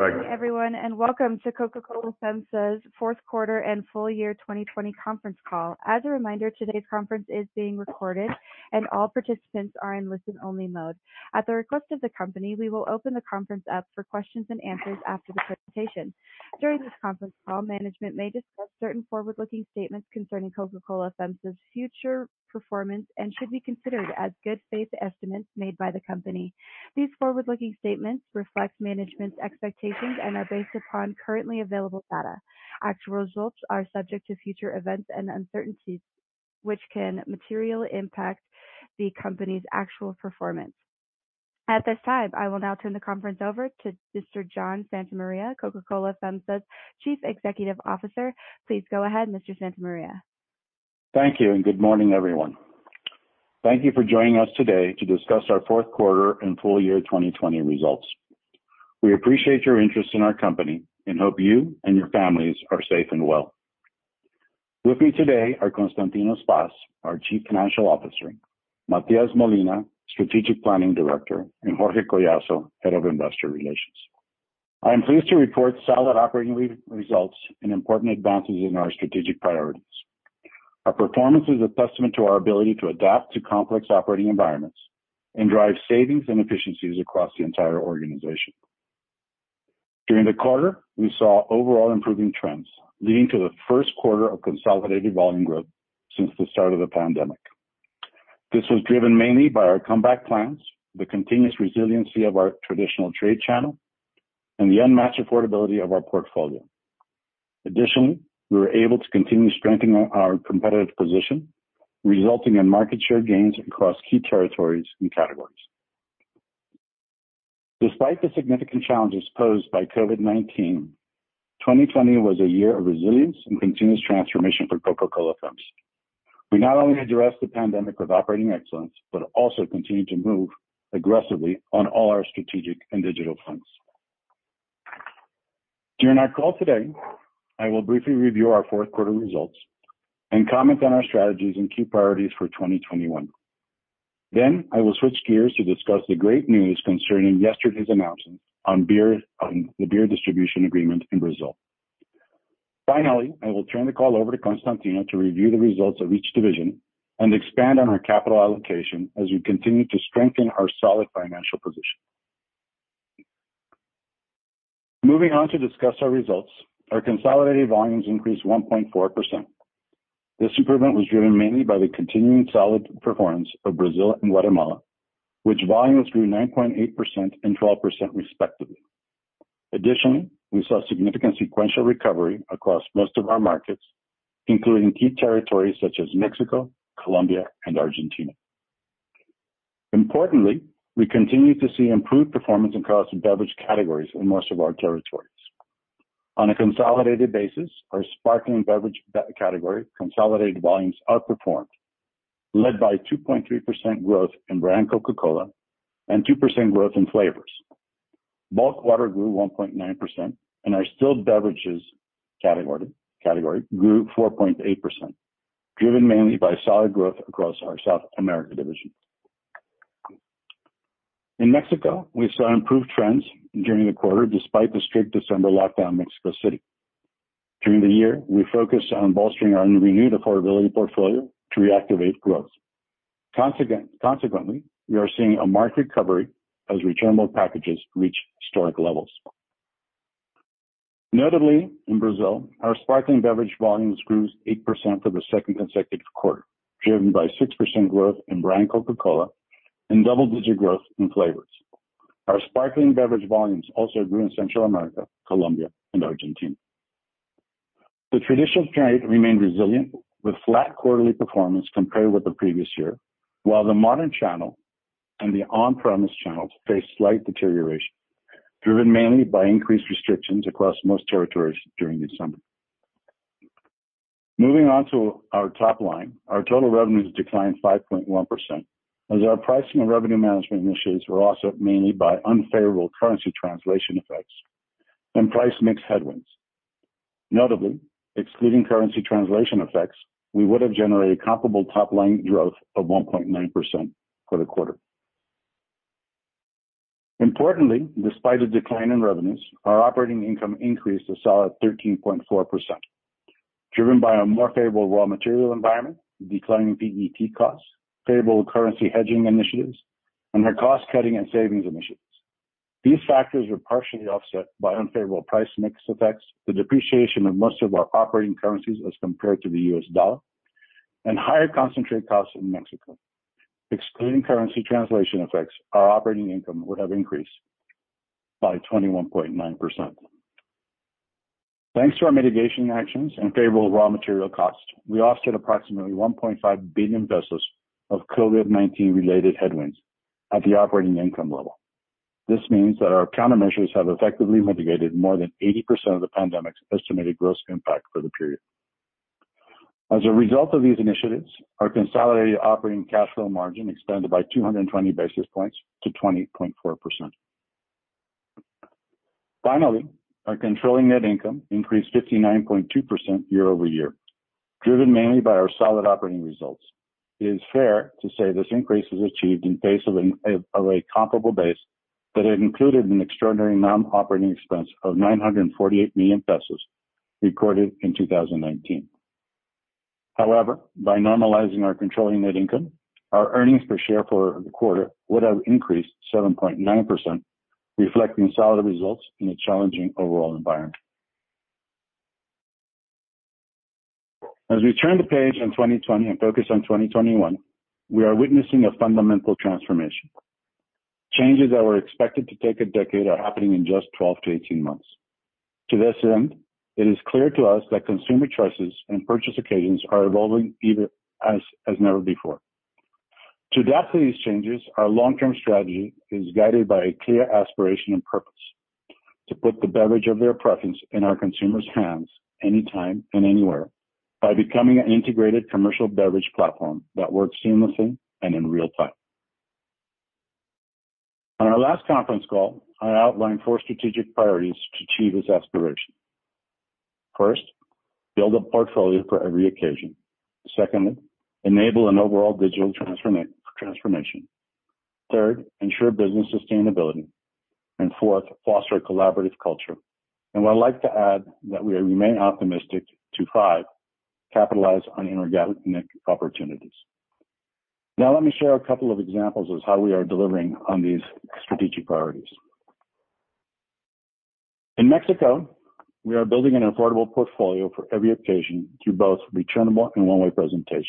Good morning, everyone, and welcome to Coca-Cola FEMSA's Fourth Quarter and Full Year 2020 Conference Call. As a reminder, today's conference is being recorded, and all participants are in listen-only mode. At the request of the company, we will open the conference up for questions and answers after the presentation. During this conference call, management may discuss certain forward-looking statements concerning Coca-Cola FEMSA's future performance and should be considered as good faith estimates made by the company. These forward-looking statements reflect management's expectations and are based upon currently available data. Actual results are subject to future events and uncertainties, which can materially impact the company's actual performance. At this time, I will now turn the conference over to Mr. John Santa Maria, Coca-Cola FEMSA's Chief Executive Officer. Please go ahead, Mr. Santa Maria. Thank you, and good morning, everyone. Thank you for joining us today to discuss our fourth quarter and full year 2020 results. We appreciate your interest in our company and hope you and your families are safe and well. With me today are Constantino Spas, our Chief Financial Officer, Matias Molina, Strategic Planning Director, and Jorge Collazo, Head of Investor Relations. I am pleased to report solid operating results and important advances in our strategic priorities. Our performance is a testament to our ability to adapt to complex operating environments and drive savings and efficiencies across the entire organization. During the quarter, we saw overall improving trends, leading to the first quarter of consolidated volume growth since the start of the pandemic. This was driven mainly by our comeback plans, the continuous resiliency of our traditional trade channel, and the unmatched affordability of our portfolio. Additionally, we were able to continue strengthening our competitive position, resulting in market share gains across key territories and categories. Despite the significant challenges posed by COVID-19, 2020 was a year of resilience and continuous transformation for Coca-Cola FEMSA. We not only addressed the pandemic with operating excellence, but also continued to move aggressively on all our strategic and digital fronts. During our call today, I will briefly review our fourth quarter results and comment on our strategies and key priorities for 2021. Then, I will switch gears to discuss the great news concerning yesterday's announcement on beer, on the beer distribution agreement in Brazil. Finally, I will turn the call over to Constantino to review the results of each division and expand on our capital allocation as we continue to strengthen our solid financial position. Moving on to discuss our results, our consolidated volumes increased 1.4%. This improvement was driven mainly by the continuing solid performance of Brazil and Guatemala, which volumes grew 9.8% and 12%, respectively. Additionally, we saw significant sequential recovery across most of our markets, including key territories such as Mexico, Colombia, and Argentina. Importantly, we continue to see improved performance across beverage categories in most of our territories. On a consolidated basis, our sparkling beverage category consolidated volumes outperformed, led by 2.3% growth in brand Coca-Cola and 2% growth in flavors. Bulk water grew 1.9%, and our still beverages category grew 4.8%, driven mainly by solid growth across our South America division. In Mexico, we saw improved trends during the quarter, despite the strict December lockdown in Mexico City. During the year, we focused on bolstering our renewed affordability portfolio to reactivate growth. Consequently, we are seeing a marked recovery as returnable packages reach historic levels. Notably, in Brazil, our sparkling beverage volumes grew 8% for the second consecutive quarter, driven by 6% growth in brand Coca-Cola and double-digit growth in flavors. Our sparkling beverage volumes also grew in Central America, Colombia, and Argentina. The traditional trade remained resilient, with flat quarterly performance compared with the previous year, while the modern channel and the on-premise channels faced slight deterioration, driven mainly by increased restrictions across most territories during December. Moving on to our top line, our total revenues declined 5.1%, as our pricing and revenue management initiatives were offset mainly by unfavorable currency translation effects and price mix headwinds. Notably, excluding currency translation effects, we would have generated comparable top line growth of 1.9% for the quarter. Importantly, despite a decline in revenues, our operating income increased a solid 13.4%, driven by a more favorable raw material environment, declining PET costs, favorable currency hedging initiatives, and our cost-cutting and savings initiatives. These factors were partially offset by unfavorable price mix effects, the depreciation of most of our operating currencies as compared to the U.S. dollar, and higher concentrate costs in Mexico. Excluding currency translation effects, our operating income would have increased by 21.9%. Thanks to our mitigation actions and favorable raw material costs, we offset approximately 1.5 billion pesos of COVID-19 related headwinds at the operating income level. This means that our countermeasures have effectively mitigated more than 80% of the pandemic's estimated gross impact for the period. As a result of these initiatives, our consolidated operating cash flow margin expanded by 220 basis points to 20.4%. Finally, our controlling net income increased 59.2% year-over-year, driven mainly by our solid operating results. It is fair to say this increase is achieved in base of a comparable base, but it included an extraordinary non-operating expense of 948 million pesos recorded in 2019. However, by normalizing our controlling net income, our earnings per share for the quarter would have increased 7.9%, reflecting solid results in a challenging overall environment. As we turn the page on 2020 and focus on 2021, we are witnessing a fundamental transformation. Changes that were expected to take a decade are happening in just 12-18 months. To this end, it is clear to us that consumer choices and purchase occasions are evolving as never before. To adapt to these changes, our long-term strategy is guided by a clear aspiration and purpose: to put the beverage of their preference in our consumers' hands, anytime and anywhere, by becoming an integrated commercial beverage platform that works seamlessly and in real time. On our last conference call, I outlined four strategic priorities to achieve this aspiration. First, build a portfolio for every occasion. Secondly, enable an overall digital transformation. Third, ensure business sustainability, and fourth, foster a collaborative culture. I'd like to add that we remain optimistic, too, to capitalize on inorganic opportunities. Now, let me share a couple of examples of how we are delivering on these strategic priorities. In Mexico, we are building an affordable portfolio for every occasion through both returnable and one-way presentations.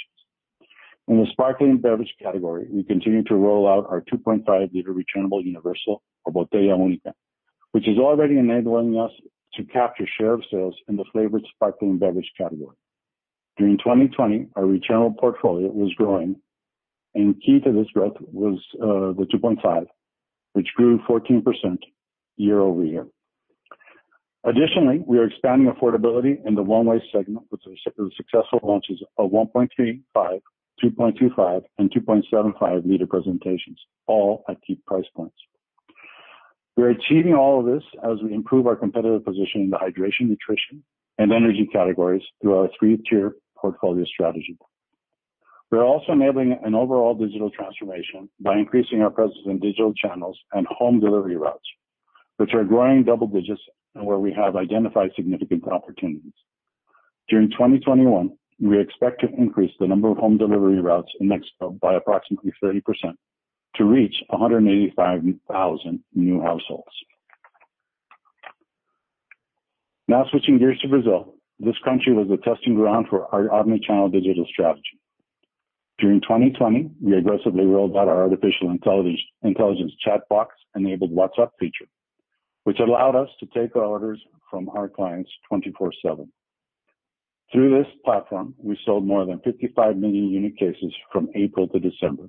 In the sparkling beverage category, we continue to roll out our 2.5 L returnable Universal, or Botella Única, which is already enabling us to capture share of sales in the flavored sparkling beverage category. During 2020, our returnable portfolio was growing, and key to this growth was the 2.5, which grew 14% year-over-year. Additionally, we are expanding affordability in the one-way segment with the successful launches of 1.35, 2.25, and 2.75 L presentations, all at key price points. We're achieving all of this as we improve our competitive position in the hydration, nutrition, and energy categories through our three-tier portfolio strategy. We're also enabling an overall digital transformation by increasing our presence in digital channels and home delivery routes, which are growing double digits and where we have identified significant opportunities. During 2021, we expect to increase the number of home delivery routes in Mexico by approximately 30% to reach 185,000 new households. Now, switching gears to Brazil. This country was a testing ground for our omni-channel digital strategy. During 2020, we aggressively rolled out our artificial intelligence chatbot-enabled WhatsApp feature, which allowed us to take orders from our clients 24/7. Through this platform, we sold more than 55 million unique cases from April to December,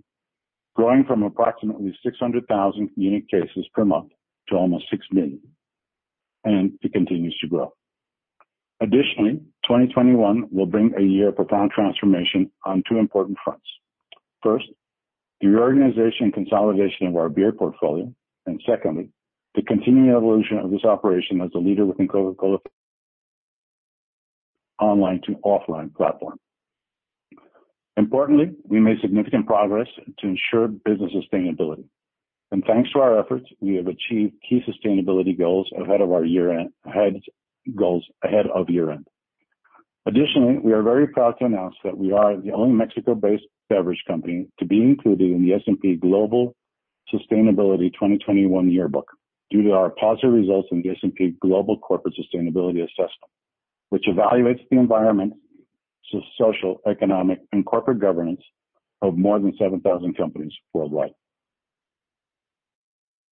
growing from approximately six hundred thousand unique cases per month to almost six million, and it continues to grow. Additionally, 2021 will bring a year of profound transformation on two important fronts. First, the reorganization and consolidation of our beer portfolio, and secondly, the continuing evolution of this operation as a leader within Coca-Cola online to offline platform. Importantly, we made significant progress to ensure business sustainability. And thanks to our efforts, we have achieved key sustainability goals ahead of our year end. Additionally, we are very proud to announce that we are the only Mexico-based beverage company to be included in the S&P Global Sustainability 2021 Yearbook, due to our positive results in the S&P Global Corporate Sustainability Assessment, which evaluates environmental, social, economic, and corporate governance of more than seven thousand companies worldwide.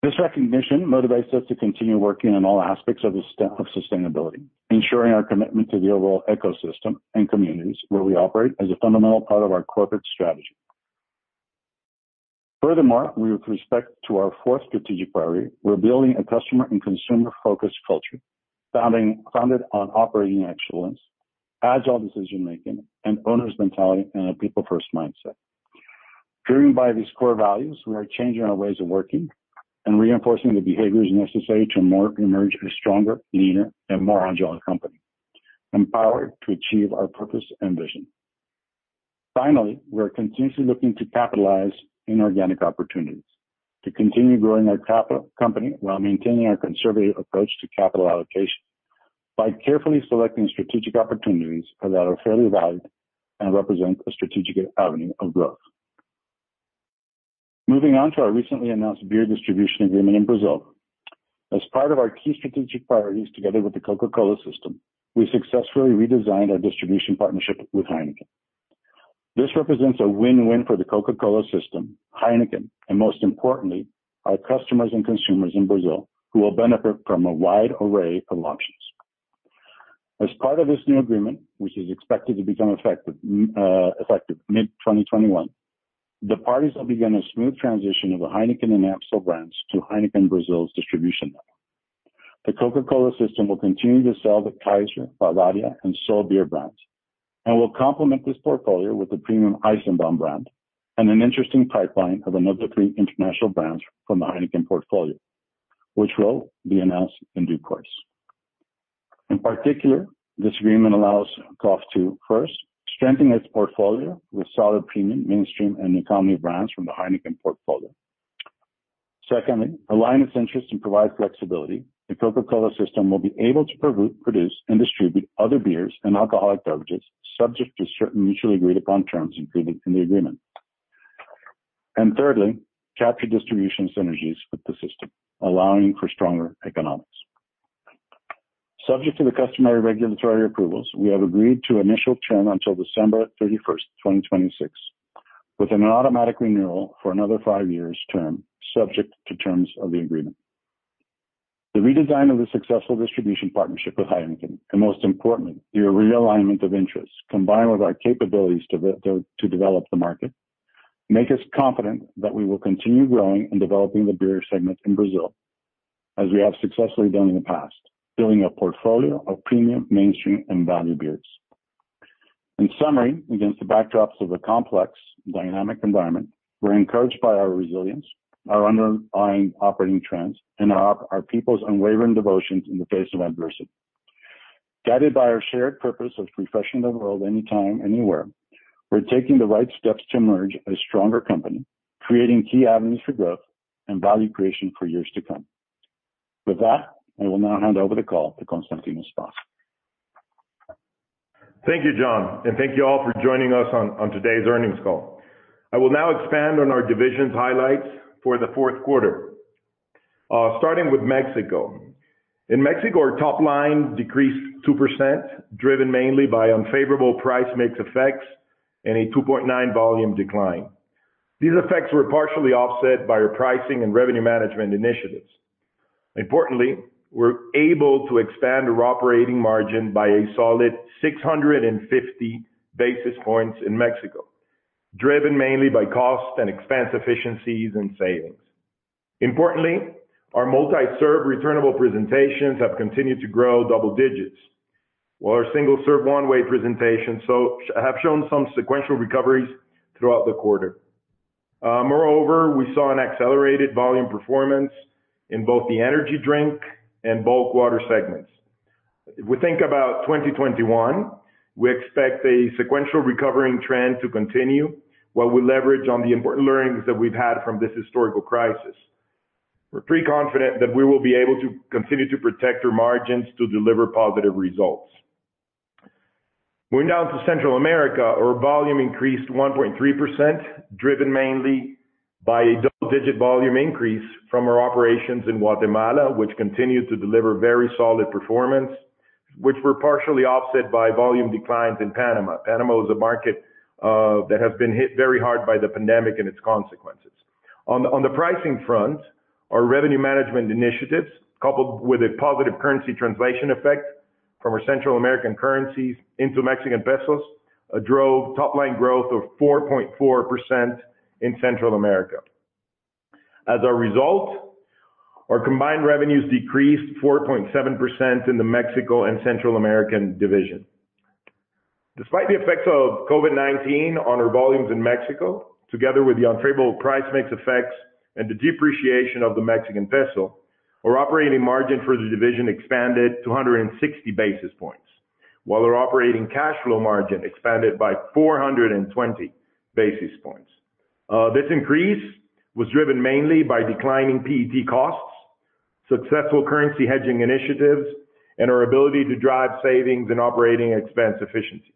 This recognition motivates us to continue working on all aspects of sustainability, ensuring our commitment to the overall ecosystem and communities where we operate as a fundamental part of our corporate strategy. Furthermore, with respect to our fourth strategic priority, we're building a customer and consumer-focused culture, founded on operating excellence, agile decision-making, and owner's mentality, and a people first mindset. Driven by these core values, we are changing our ways of working and reinforcing the behaviors necessary to emerge as a stronger, leaner, and more agile company, empowered to achieve our purpose and vision. Finally, we are continuously looking to capitalize on inorganic opportunities to continue growing our company while maintaining our conservative approach to capital allocation by carefully selecting strategic opportunities that are fairly valued and represent a strategic avenue of growth. Moving on to our recently announced beer distribution agreement in Brazil. As part of our key strategic priorities together with the Coca-Cola system, we successfully redesigned our distribution partnership with Heineken. This represents a win-win for the Coca-Cola system, Heineken, and most importantly, our customers and consumers in Brazil, who will benefit from a wide array of options. As part of this new agreement, which is expected to become effective, effective mid-2021, the parties will begin a smooth transition of the Heineken and Amstel brands to Heineken Brazil's distribution network. The Coca-Cola system will continue to sell the Kaiser, Bohemia, and Sol beer brands, and will complement this portfolio with the premium Eisenbahn brand and an interesting pipeline of another three international brands from the Heineken portfolio.... which will be announced in due course. In particular, this agreement allows KOF to, first, strengthen its portfolio with solid premium, mainstream, and economy brands from the Heineken portfolio. Secondly, align its interests and provide flexibility. The Coca-Cola system will be able to produce and distribute other beers and alcoholic beverages, subject to certain mutually agreed upon terms included in the agreement. And thirdly, capture distribution synergies with the system, allowing for stronger economics. Subject to the customary regulatory approvals, we have agreed to an initial term until December thirty-first, 2026, with an automatic renewal for another five-year term, subject to terms of the agreement. The redesign of the successful distribution partnership with Heineken, and most importantly, the realignment of interests, combined with our capabilities to develop the market, make us confident that we will continue growing and developing the beer segment in Brazil, as we have successfully done in the past, building a portfolio of premium, mainstream, and value beers. In summary, against the backdrop of a complex dynamic environment, we're encouraged by our resilience, our underlying operating trends, and our people's unwavering devotion in the face of adversity. Guided by our shared purpose of refreshing the world anytime, anywhere, we're taking the right steps to emerge a stronger company, creating key avenues for growth and value creation for years to come. With that, I will now hand over the call to Constantino Spas. Thank you, John, and thank you all for joining us on today's earnings call. I will now expand on our division's highlights for the fourth quarter. Starting with Mexico. In Mexico, our top line decreased 2%, driven mainly by unfavorable price mix effects and a 2.9% volume decline. These effects were partially offset by our pricing and revenue management initiatives. Importantly, we're able to expand our operating margin by a solid 650 basis points in Mexico, driven mainly by cost and expense efficiencies and savings. Importantly, our multi-serve returnable presentations have continued to grow double digits, while our single-serve one-way presentations have shown some sequential recoveries throughout the quarter. Moreover, we saw an accelerated volume performance in both the energy drink and bulk water segments. If we think about 2021, we expect a sequential recovering trend to continue, while we leverage on the important learnings that we've had from this historical crisis. We're pretty confident that we will be able to continue to protect our margins to deliver positive results. Moving down to Central America, our volume increased 1.3%, driven mainly by a double-digit volume increase from our operations in Guatemala, which continued to deliver very solid performance, which were partially offset by volume declines in Panama. Panama is a market that has been hit very hard by the pandemic and its consequences. On the pricing front, our revenue management initiatives, coupled with a positive currency translation effect from our Central American currencies into Mexican pesos, drove top line growth of 4.4% in Central America. As a result, our combined revenues decreased 4.7% in the Mexico and Central America division. Despite the effects of COVID-19 on our volumes in Mexico, together with the unfavorable price mix effects and the depreciation of the Mexican peso, our operating margin for the division expanded 260 basis points, while our operating cash flow margin expanded by 420 basis points. This increase was driven mainly by declining PET costs, successful currency hedging initiatives, and our ability to drive savings and operating expense efficiencies.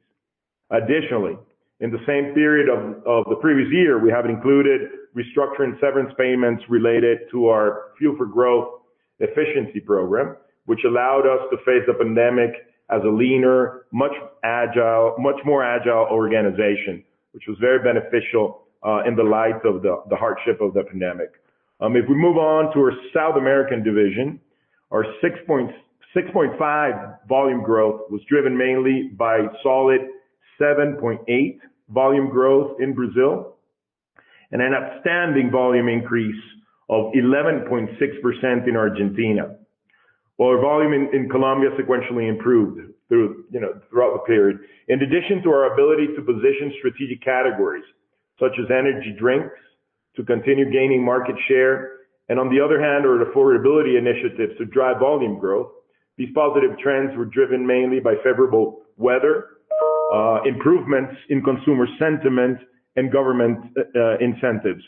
Additionally, in the same period of the previous year, we have included restructuring severance payments related to our Fuel for Growth efficiency program, which allowed us to face the pandemic as a leaner, much more agile organization, which was very beneficial in the light of the hardship of the pandemic. If we move on to our South American division, our 6.5 volume growth was driven mainly by solid 7.8 volume growth in Brazil, and an outstanding volume increase of 11.6% in Argentina, while our volume in Colombia sequentially improved through, you know, throughout the period. In addition to our ability to position strategic categories such as energy drinks, to continue gaining market share, and on the other hand, our affordability initiatives to drive volume growth, these positive trends were driven mainly by favorable weather, improvements in consumer sentiment and government incentives.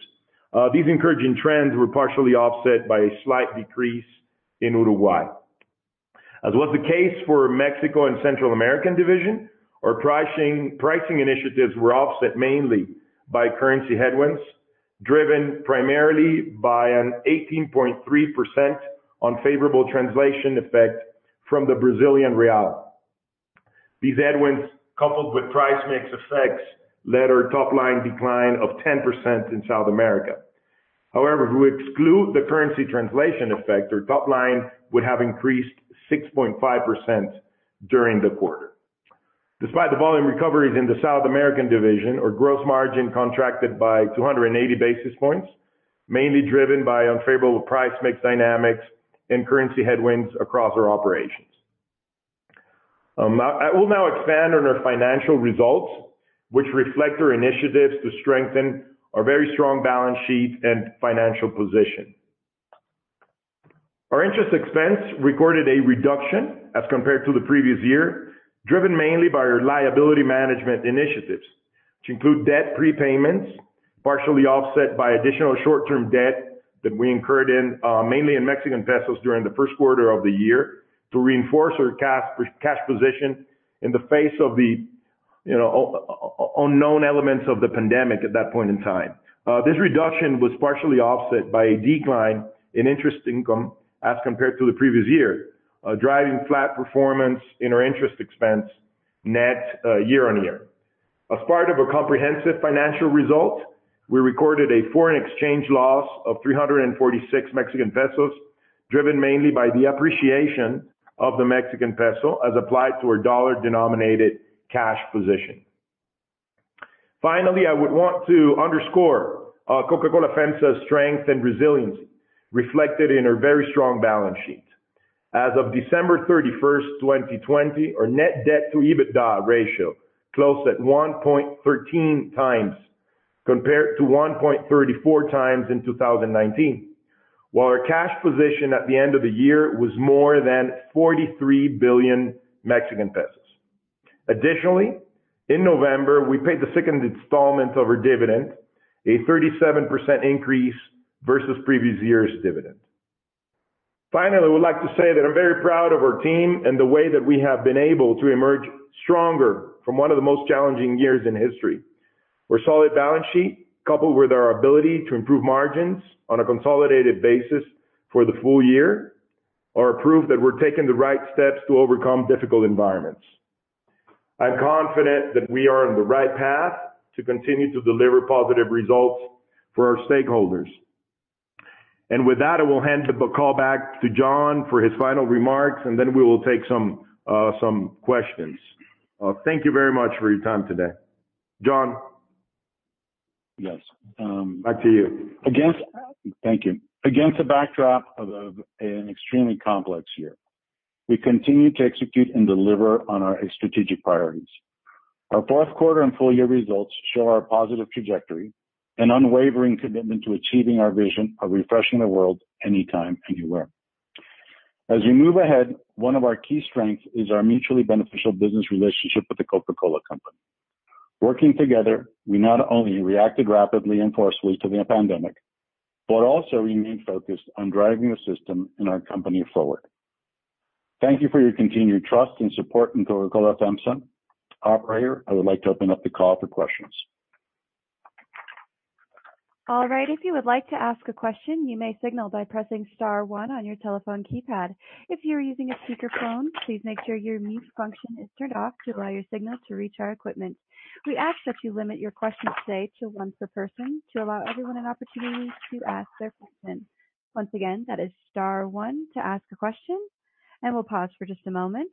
These encouraging trends were partially offset by a slight decrease in Uruguay. As was the case for Mexico and Central America Division, our pricing initiatives were offset mainly by currency headwinds, driven primarily by an 18.3% unfavorable translation effect from the Brazilian Real. These headwinds, coupled with price mix effects, led to a top-line decline of 10% in South America. However, if we exclude the currency translation effect, our top-line would have increased 6.5% during the quarter. Despite the volume recoveries in the South American division, our gross margin contracted by 280 basis points, mainly driven by unfavorable price mix dynamics and currency headwinds across our operations. I will now expand on our financial results, which reflect our initiatives to strengthen our very strong balance sheet and financial position. Our interest expense recorded a reduction as compared to the previous year, driven mainly by our liability management initiatives, which include debt prepayments, partially offset by additional short-term debt that we incurred in mainly in Mexican pesos during the first quarter of the year, to reinforce our cash position in the face of the, you know, unknown elements of the pandemic at that point in time. This reduction was partially offset by a decline in interest income as compared to the previous year, driving flat performance in our interest expense net, year on year. As part of a comprehensive financial result, we recorded a foreign exchange loss of 346 million Mexican pesos, driven mainly by the appreciation of the Mexican peso as applied to our dollar-denominated cash position. Finally, I would want to underscore Coca-Cola FEMSA's strength and resiliency, reflected in our very strong balance sheet. As of December 31st, 2020, our net debt-to-EBITDA ratio closed at 1.13x, compared to 1.34x in 2019. Our cash position at the end of the year was more than 43 billion Mexican pesos. Additionally, in November, we paid the second installment of our dividend, a 37% increase versus previous year's dividend. Finally, I would like to say that I'm very proud of our team and the way that we have been able to emerge stronger from one of the most challenging years in history. Our solid balance sheet, coupled with our ability to improve margins on a consolidated basis for the full year, are proof that we're taking the right steps to overcome difficult environments. I'm confident that we are on the right path to continue to deliver positive results for our stakeholders. And with that, I will hand the call back to John for his final remarks, and then we will take some questions. Thank you very much for your time today. John? Yes, um- Back to you. Thank you. Against a backdrop of an extremely complex year, we continue to execute and deliver on our strategic priorities. Our fourth quarter and full year results show our positive trajectory and unwavering commitment to achieving our vision of refreshing the world anytime, anywhere. As we move ahead, one of our key strengths is our mutually beneficial business relationship with the Coca-Cola Company. Working together, we not only reacted rapidly and forcefully to the pandemic, but also remained focused on driving the system and our company forward. Thank you for your continued trust and support in Coca-Cola FEMSA. Operator, I would like to open up the call for questions. All right. If you would like to ask a question, you may signal by pressing star one on your telephone keypad. If you are using a speakerphone, please make sure your mute function is turned off to allow your signal to reach our equipment. We ask that you limit your questions today to once per person, to allow everyone an opportunity to ask their question. Once again, that is star one to ask a question, and we'll pause for just a moment.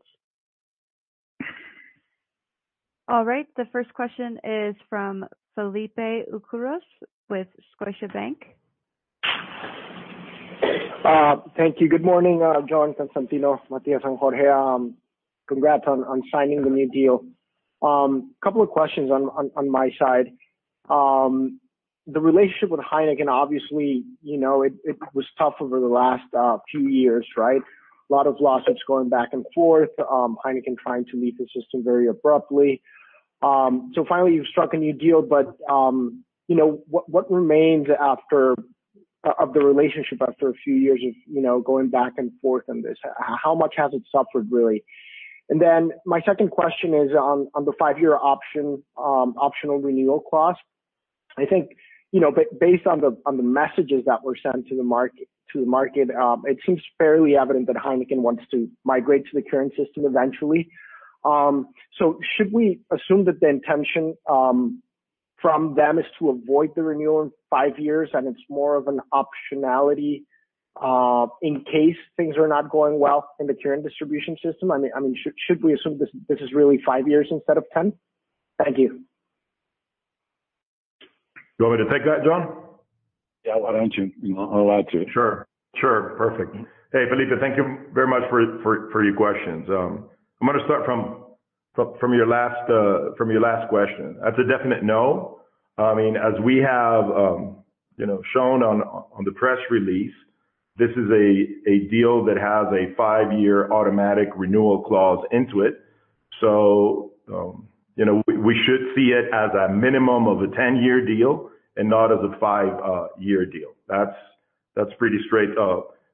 All right, the first question is from Felipe Ucros with Scotiabank. Thank you. Good morning, John, Constantino, Matias, and Jorge. Congrats on signing the new deal. Couple of questions on my side. The relationship with Heineken, obviously, you know, it was tough over the last few years, right? A lot of lawsuits going back and forth, Heineken trying to leave the system very abruptly. So finally, you've struck a new deal, but, you know, what remains after of the relationship after a few years of, you know, going back and forth on this? How much has it suffered, really? And then my second question is on the five-year option, optional renewal clause. I think, you know, based on the, on the messages that were sent to the market, it seems fairly evident that Heineken wants to migrate to the current system eventually. So should we assume that the intention from them is to avoid the renewal in five years, and it's more of an optionality in case things are not going well in the current distribution system? I mean, should we assume this is really five years instead of ten? Thank you. You want me to take that, John? Yeah, why don't you? You're allowed to. Sure. Sure. Perfect. Hey, Felipe, thank you very much for your questions. I'm gonna start from your last question. That's a definite no. I mean, as we have you know shown on the press release, this is a deal that has a five-year automatic renewal clause into it. So, you know, we should see it as a minimum of a ten-year deal and not as a five-year deal. That's pretty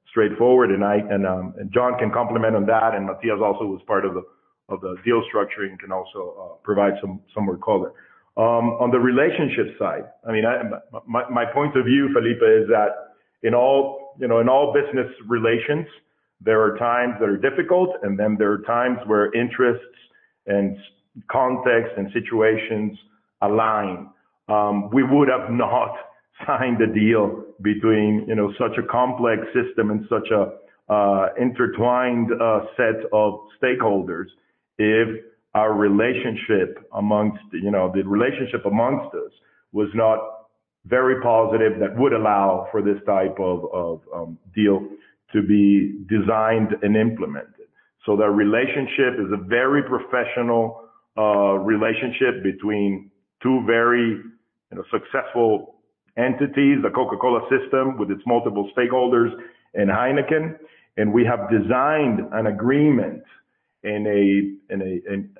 straightforward, and I and John can comment on that, and Matias also was part of the deal structuring, can also provide some more color. On the relationship side, I mean, my point of view, Felipe, is that in all, you know, in all business relations, there are times that are difficult, and then there are times where interests and contexts and situations align. We would have not signed the deal between, you know, such a complex system and such a intertwined set of stakeholders if our relationship amongst us was not very positive that would allow for this type of deal to be designed and implemented, so the relationship is a very professional relationship between two very, you know, successful entities, the Coca-Cola system, with its multiple stakeholders, and Heineken. We have designed an agreement and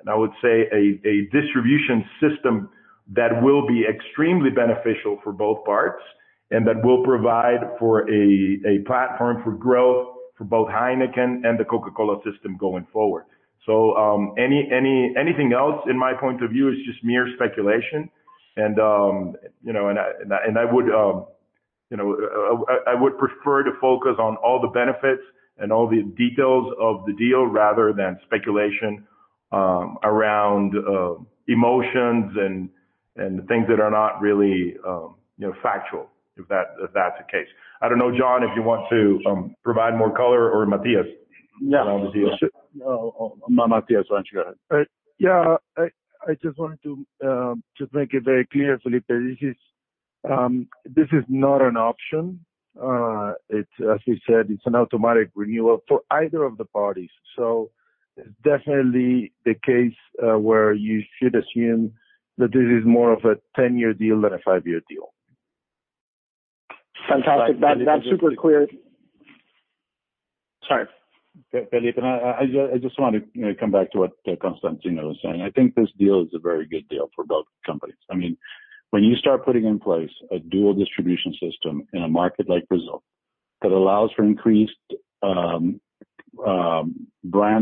I would say a distribution system that will be extremely beneficial for both parts, and that will provide for a platform for growth for both Heineken and the Coca-Cola system going forward. Anything else in my point of view is just mere speculation. You know, and I would prefer to focus on all the benefits and all the details of the deal rather than speculation around emotions and things that are not really you know factual, if that's the case. I don't know, John, if you want to provide more color or Matias? No- Why don't we see you? Now, Matías, why don't you go ahead? Yeah. I just wanted to just make it very clear, Felipe, this is not an option. It's, as we said, an automatic renewal for either of the parties. So it's definitely the case where you should assume that this is more of a ten-year deal than a five-year deal. Fantastic. That's, that's super clear. Sorry. Felipe, I just wanted to, you know, come back to what Constantino was saying. I think this deal is a very good deal for both companies. I mean, when you start putting in place a dual distribution system in a market like Brazil, that allows for increased brand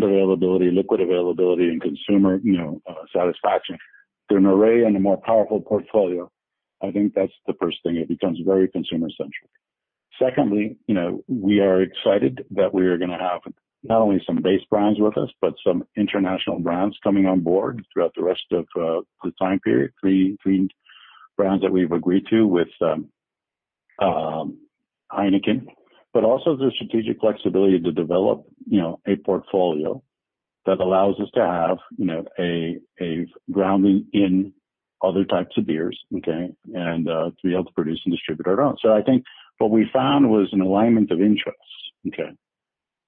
availability, liquid availability, and consumer, you know, satisfaction through an array and a more powerful portfolio, I think that's the first thing. It becomes very consumer-centric. Secondly, you know, we are excited that we are gonna have not only some base brands with us, but some international brands coming on board throughout the rest of the time period. Three brands that we've agreed to with Heineken, but also the strategic flexibility to develop, you know, a portfolio that allows us to have, you know, a grounding in other types of beers, okay? And to be able to produce and distribute our own. So I think what we found was an alignment of interests, okay,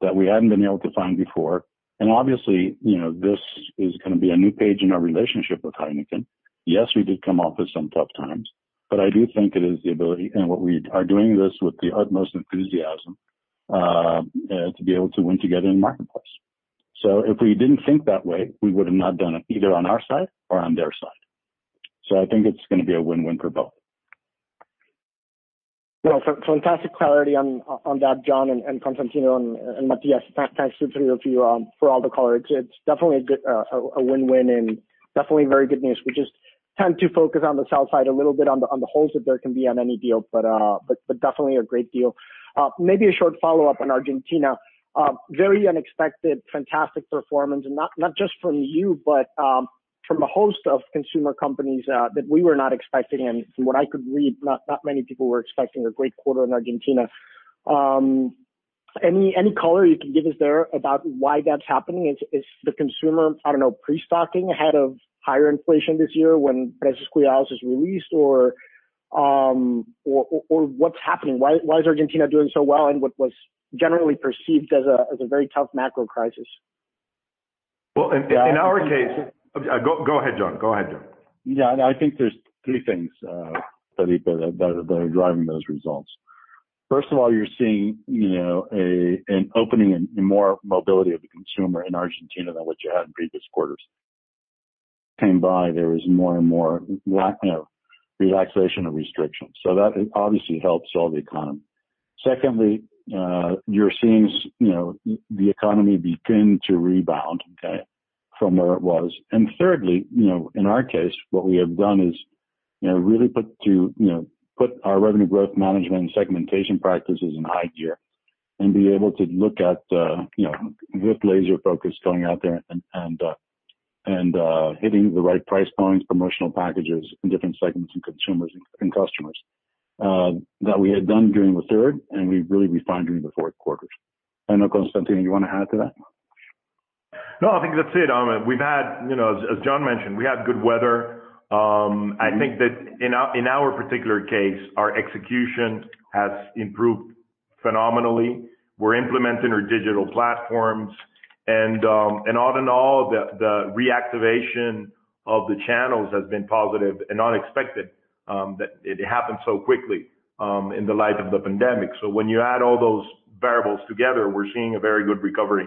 that we hadn't been able to find before. And obviously, you know, this is gonna be a new page in our relationship with Heineken. Yes, we did come off of some tough times, but I do think it is the ability, and what we are doing this with the utmost enthusiasm to be able to win together in the marketplace. So if we didn't think that way, we would have not done it, either on our side or on their side. I think it's gonna be a win-win for both. Well, fantastic clarity on that, John and Constantino and Matias. Thanks to the two of you for all the color. It's definitely a good win-win, and definitely very good news. We just tend to focus on the sell side a little bit, on the holes that there can be on any deal, but definitely a great deal. Maybe a short follow-up on Argentina. Very unexpected, fantastic performance, and not just from you, but from a host of consumer companies that we were not expecting, and from what I could read, not many people were expecting a great quarter in Argentina. Any color you can give us there about why that's happening? Is the consumer, I don't know, pre-stocking ahead of higher inflation this year when price schedules are released, or what's happening? Why is Argentina doing so well, and what was generally perceived as a very tough macro crisis? In our case... Go ahead, John. Go ahead, John. Yeah, I think there's three things, Felipe, that are driving those results. First of all, you're seeing, you know, an opening and more mobility of the consumer in Argentina than what you had in previous quarters. As time came by, there was more and more, you know, relaxation of restrictions, so that obviously helps all the economy. Secondly, you're seeing, you know, the economy begin to rebound, okay? From where it was. And thirdly, you know, in our case, what we have done is, you know, really put our revenue growth management and segmentation practices in high gear, and be able to look at, you know, with laser focus going out there and hitting the right price points, promotional packages in different segments and consumers and customers that we had done during the third, and we really refined during the fourth quarters. I don't know, Constantino. You want to add to that? No, I think that's it. We've had, you know, as John mentioned, we had good weather. I think that in our particular case, our execution has improved phenomenally. We're implementing our digital platforms and, and all in all, the reactivation of the channels has been positive and unexpected, that it happened so quickly, in the light of the pandemic. So when you add all those variables together, we're seeing a very good recovery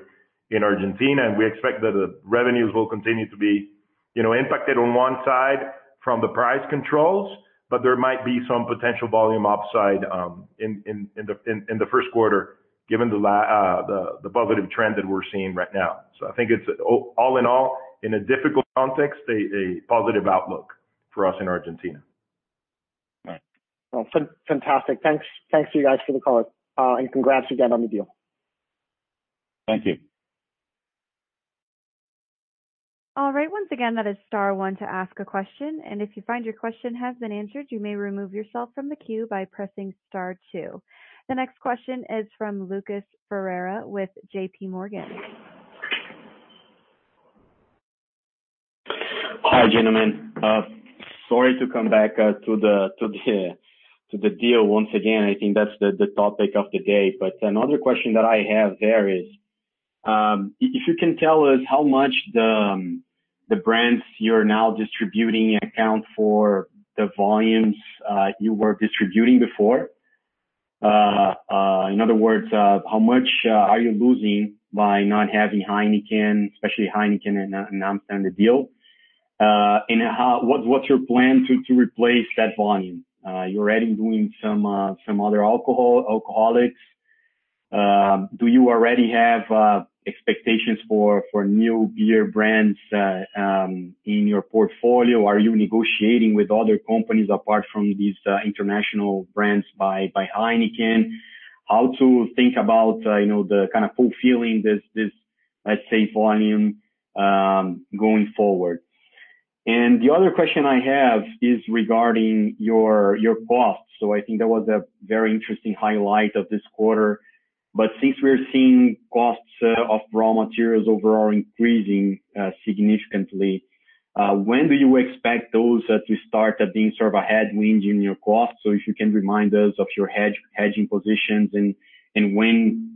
in Argentina, and we expect that the revenues will continue to be, you know, impacted on one side from the price controls, but there might be some potential volume upside, in the first quarter, given the positive trend that we're seeing right now. So I think it's all in all, in a difficult context, a positive outlook for us in Argentina. Right. Fantastic. Thanks, thanks to you guys for the call, and congrats again on the deal. Thank you. All right. Once again, that is star one to ask a question, and if you find your question has been answered, you may remove yourself from the queue by pressing star two. The next question is from Lucas Ferreira with J.P. Morgan. Hi, gentlemen. Sorry to come back to the deal once again, I think that's the topic of the day. But another question that I have there is, if you can tell us how much the brands you're now distributing account for the volumes you were distributing before? In other words, how much are you losing by not having Heineken, especially Heineken and not signing the deal? And how, what, what's your plan to replace that volume? You're already doing some other alcohol, alcoholics. Do you already have expectations for new beer brands in your portfolio? Are you negotiating with other companies apart from these international brands by Heineken? How to think about, you know, the kind of fulfilling this, let's say, volume going forward? And the other question I have is regarding your costs. So I think that was a very interesting highlight of this quarter. But since we're seeing costs of raw materials overall increasing significantly, when do you expect those to start being sort of a headwind in your costs? So if you can remind us of your hedging positions and when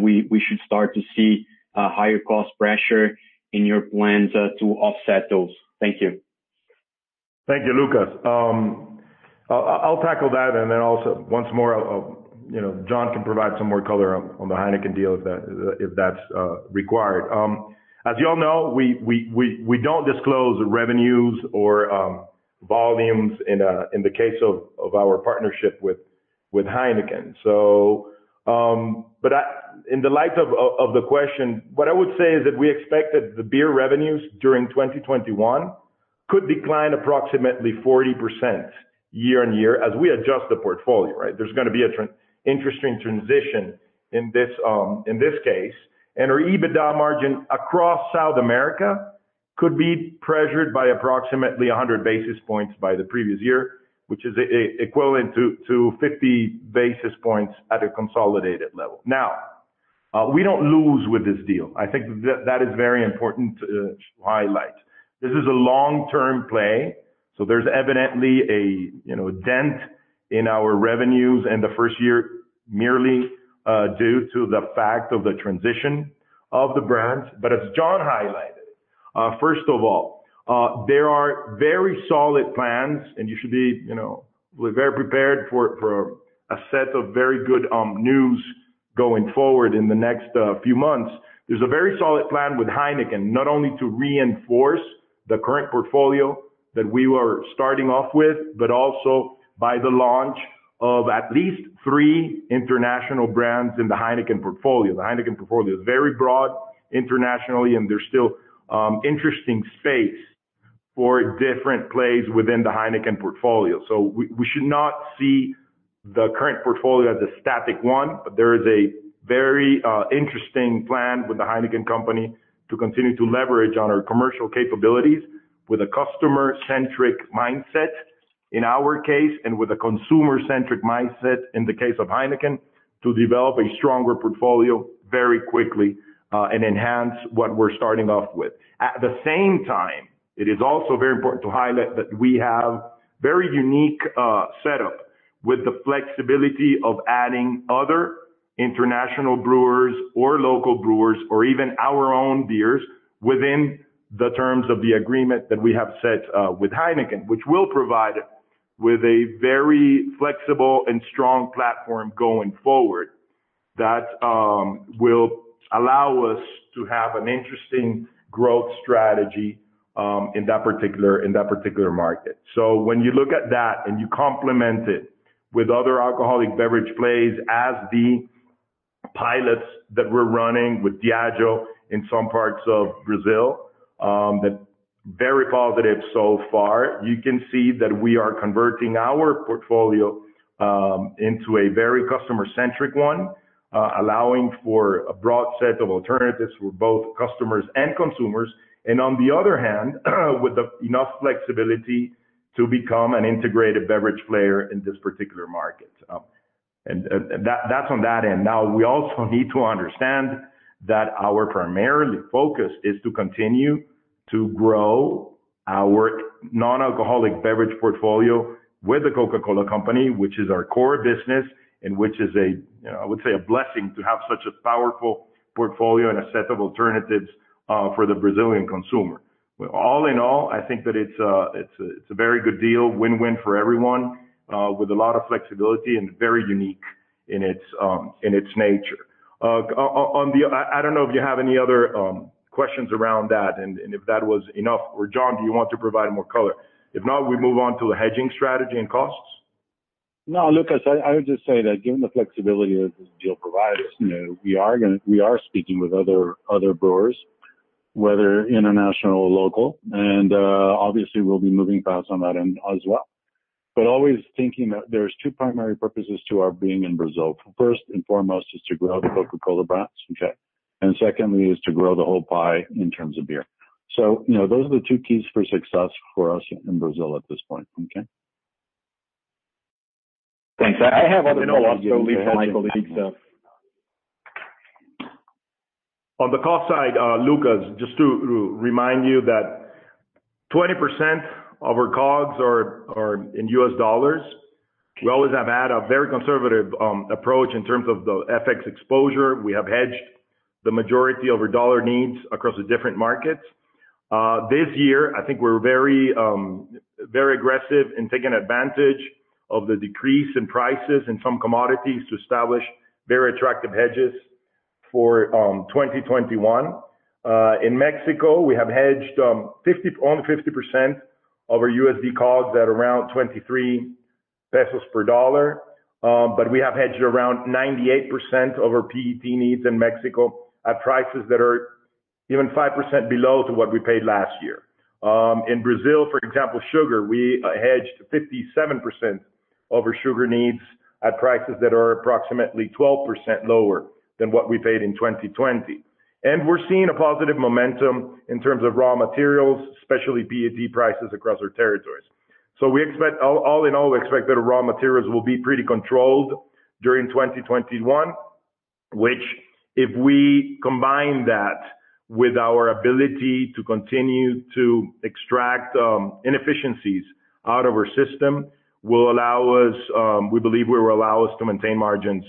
we should start to see a higher cost pressure in your plans to offset those. Thank you. Thank you, Lucas. I'll tackle that, and then also once more, you know, John can provide some more color on the Heineken deal, if that's required. As you all know, we don't disclose the revenues or volumes in the case of our partnership with Heineken. So. But I, in the light of the question, what I would say is that we expect that the beer revenues during 2021 could decline approximately 40% year-on-year, as we adjust the portfolio, right? There's gonna be an interesting transition in this case. And our EBITDA margin across South America could be pressured by approximately 100 basis points by the previous year, which is equivalent to 50 basis points at a consolidated level. Now, we don't lose with this deal. I think that is very important to highlight. This is a long-term play, so there's evidently a, you know, dent in our revenues in the first year, merely due to the fact of the transition of the brands. But as John highlighted, first of all, there are very solid plans, and you should be, you know, we're very prepared for a set of very good news going forward in the next few months. There's a very solid plan with Heineken, not only to reinforce the current portfolio that we were starting off with, but also by the launch of at least three international brands in the Heineken portfolio. The Heineken portfolio is very broad internationally, and there's still interesting space for different plays within the Heineken portfolio. We should not see the current portfolio as a static one, but there is a very interesting plan with the Heineken company to continue to leverage on our commercial capabilities with a customer-centric mindset, in our case, and with a consumer-centric mindset in the case of Heineken, to develop a stronger portfolio very quickly, and enhance what we're starting off with. At the same time, it is also very important to highlight that we have very unique setup with the flexibility of adding other international brewers or local brewers, or even our own beers, within the terms of the agreement that we have set with Heineken, which will provide with a very flexible and strong platform going forward, that will allow us to have an interesting growth strategy in that particular market. So when you look at that and you complement it with other alcoholic beverage plays, as the pilots that we're running with Diageo in some parts of Brazil, that very positive so far. You can see that we are converting our portfolio into a very customer-centric one, allowing for a broad set of alternatives for both customers and consumers. And on the other hand, with the enough flexibility to become an integrated beverage player in this particular market, and that, that's on that end. Now, we also need to understand that our primary focus is to continue to grow our non-alcoholic beverage portfolio with the Coca-Cola Company, which is our core business, and which is a, I would say, a blessing to have such a powerful portfolio and a set of alternatives for the Brazilian consumer. All in all, I think that it's a very good deal, win-win for everyone, with a lot of flexibility and very unique in its nature. I don't know if you have any other questions around that and if that was enough, or, John, do you want to provide more color? If not, we move on to the hedging strategy and costs. No, Lucas, I would just say that given the flexibility that this deal provides, you know, we are speaking with other brewers, whether international or local, and obviously we'll be moving fast on that end as well. But always thinking that there's two primary purposes to our being in Brazil. First and foremost, is to grow the Coca-Cola brands, okay? And secondly, is to grow the whole pie in terms of beer. So, you know, those are the two keys for success for us in Brazil at this point, okay? Thanks. I have other On the cost side, Lucas, just to remind you that 20% of our COGS are in U.S. dollars. We always have had a very conservative approach in terms of the FX exposure. We have hedged the majority of our dollar needs across the different markets. This year, I think we're very aggressive in taking advantage of the decrease in prices in some commodities to establish very attractive hedges for 2021. In Mexico, we have hedged almost 50% of our USD COGS at around 23 pesos per dollar. But we have hedged around 98% of our PET needs in Mexico, at prices that are even 5% below what we paid last year. In Brazil, for example, sugar, we hedged 57% of our sugar needs at prices that are approximately 12% lower than what we paid in 2020. And we're seeing a positive momentum in terms of raw materials, especially PET prices across our territories. So we expect all in all, we expect that raw materials will be pretty controlled during 2021, which, if we combine that with our ability to continue to extract inefficiencies out of our system, will allow us, we believe will allow us to maintain margins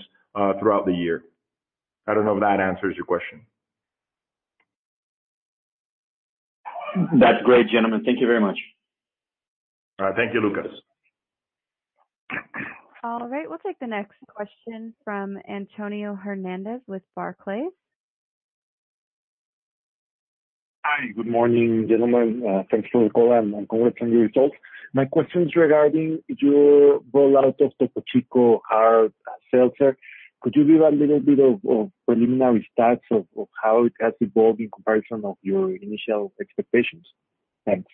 throughout the year. I don't know if that answers your question. That's great, gentlemen. Thank you very much. Thank you, Lucas. All right, we'll take the next question from Antonio Hernández with Barclays. Hi, good morning, gentlemen. Thanks for the call and congrats on your results. My question is regarding your rollout of Topo Chico Hard Seltzer. Could you give a little bit of preliminary stats of how it has evolved in comparison of your initial expectations? Thanks.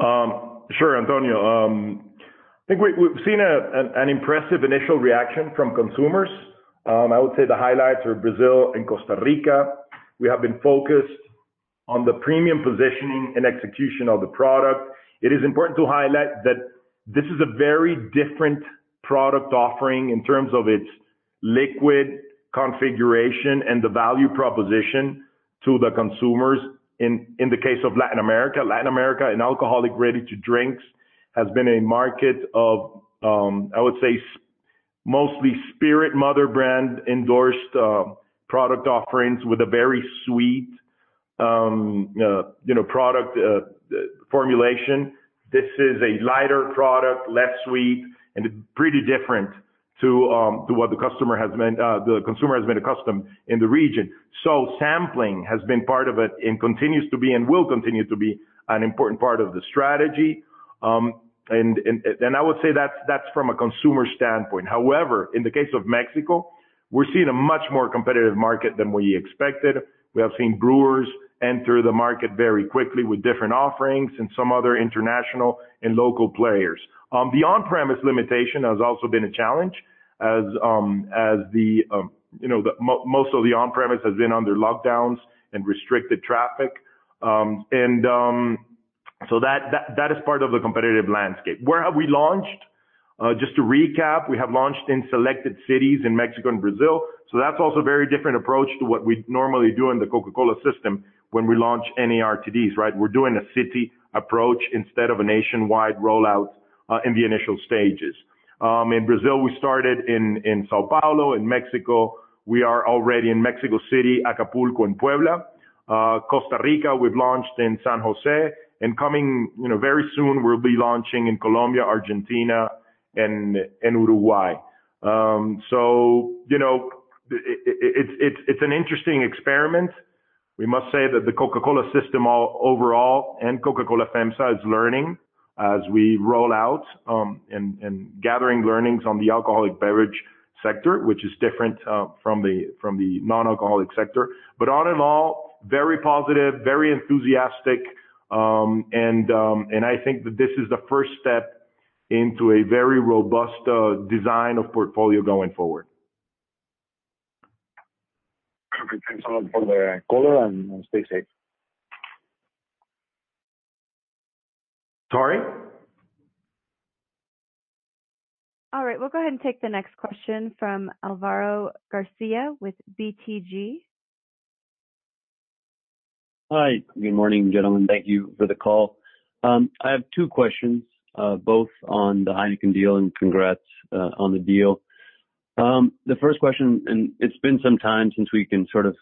Sure, Antonio. I think we've seen an impressive initial reaction from consumers. I would say the highlights are Brazil and Costa Rica. We have been focused on the premium positioning and execution of the product. It is important to highlight that this is a very different product offering in terms of its liquid configuration and the value proposition to the consumers. In the case of Latin America, an alcoholic ready-to-drink has been a market of, I would say, mostly spirit mother brand-endorsed product offerings with a very sweet, you know, product formulation. This is a lighter product, less sweet, and pretty different to what the customer has been, the consumer has been accustomed in the region. So sampling has been part of it and continues to be, and will continue to be an important part of the strategy. I would say that's from a consumer standpoint. However, in the case of Mexico, we're seeing a much more competitive market than we expected. We have seen brewers enter the market very quickly with different offerings and some other international and local players. The on-premise limitation has also been a challenge, as you know, the most of the on-premise has been under lockdowns and restricted traffic. That is part of the competitive landscape. Where have we launched? Just to recap, we have launched in selected cities in Mexico and Brazil, so that's also a very different approach to what we normally do in the Coca-Cola system when we launch any RTDs, right? We're doing a city approach instead of a nationwide rollout, in the initial stages. In Brazil, we started in São Paulo. In Mexico, we are already in Mexico City, Acapulco, and Puebla. Costa Rica, we've launched in San José, and coming, you know, very soon, we'll be launching in Colombia, Argentina, and Uruguay. So you know, it's an interesting experiment. We must say that the Coca-Cola system overall, and Coca-Cola FEMSA, is learning as we roll out, and gathering learnings on the alcoholic beverage sector, which is different, from the non-alcoholic sector. But all in all, very positive, very enthusiastic, and I think that this is the first step into a very robust design of portfolio going forward. Perfect. Thanks a lot for the color and stay safe. Tari? All right, we'll go ahead and take the next question from Alvaro Garcia with BTG. Hi, good morning, gentlemen. Thank you for the call. I have two questions, both on the Heineken deal, and congrats on the deal. The first question, and it's been some time since we can sort of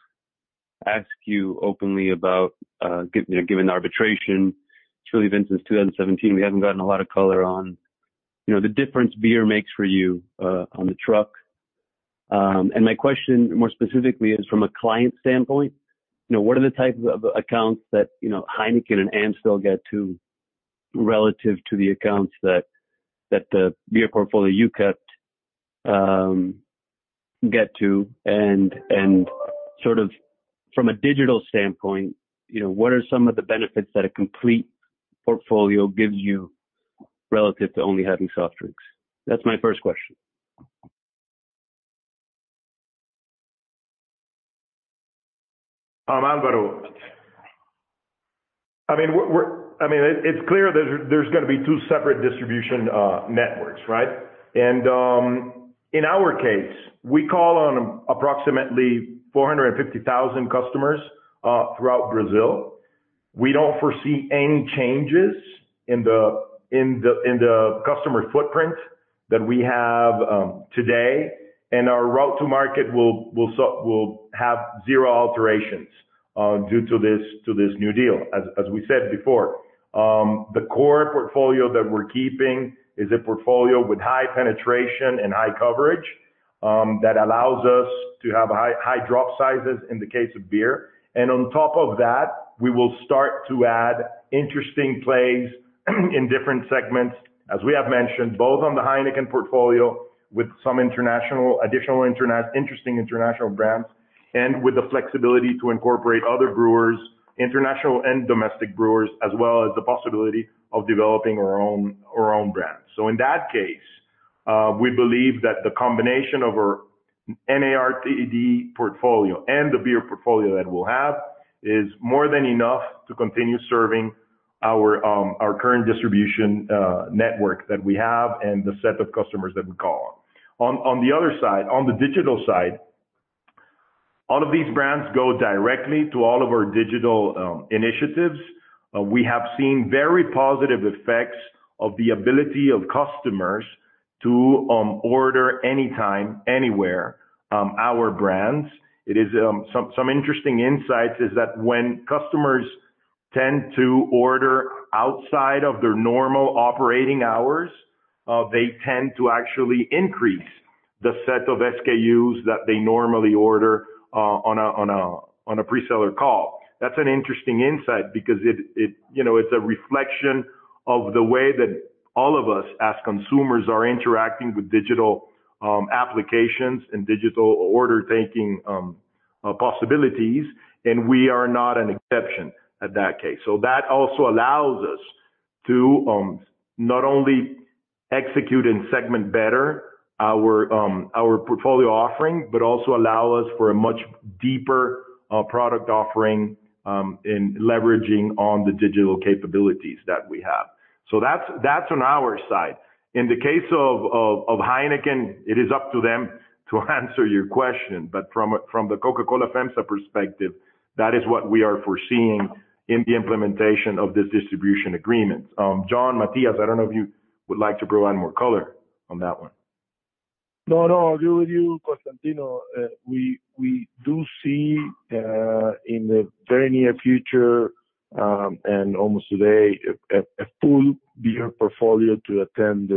ask you openly about, you know, given the arbitration. It's really been since two thousand and seventeen, we haven't gotten a lot of color on, you know, the difference beer makes for you on the truck. And my question, more specifically, is from a client standpoint, you know, what are the types of accounts that, you know, Heineken and Amstel get to relative to the accounts that the beer portfolio you kept get to? And sort of from a digital standpoint, you know, what are some of the benefits that a complete portfolio gives you relative to only having soft drinks? That's my first question. Alvaro, I mean, it's clear there's gonna be two separate distribution networks, right? And, in our case, we call on approximately 450,000 customers throughout Brazil. We don't foresee any changes in the customer footprint that we have today, and our route to market will have zero alterations due to this new deal. As we said before, the core portfolio that we're keeping is a portfolio with high penetration and high coverage that allows us to have high drop sizes in the case of beer. And on top of that, we will start to add interesting plays in different segments, as we have mentioned, both on the Heineken portfolio, with some international... interesting international brands, and with the flexibility to incorporate other brewers, international and domestic brewers, as well as the possibility of developing our own brands. So in that case, we believe that the combination of our NARTD portfolio and the beer portfolio that we'll have is more than enough to continue serving our current distribution network that we have and the set of customers that we call on. On the other side, on the digital side, all of these brands go directly to all of our digital initiatives. We have seen very positive effects of the ability of customers to order anytime, anywhere, our brands. It is... Some interesting insights is that when customers tend to order outside of their normal operating hours, they tend to actually increase the set of SKUs that they normally order, on a pre-seller call. That's an interesting insight because it, you know, it's a reflection of the way that all of us, as consumers, are interacting with digital applications and digital order-taking possibilities, and we are not an exception at that case. So that also allows us to not only execute and segment better our our portfolio offering, but also allow us for a much deeper product offering in leveraging on the digital capabilities that we have. So that's on our side. In the case of Heineken, it is up to them to answer your question, but from the Coca-Cola FEMSA perspective, that is what we are foreseeing in the implementation of this distribution agreement. John, Matias, I don't know if you would like to provide more color on that one. No, no, I agree with you, Constantino. We do see in the very near future and almost today a full beer portfolio to attend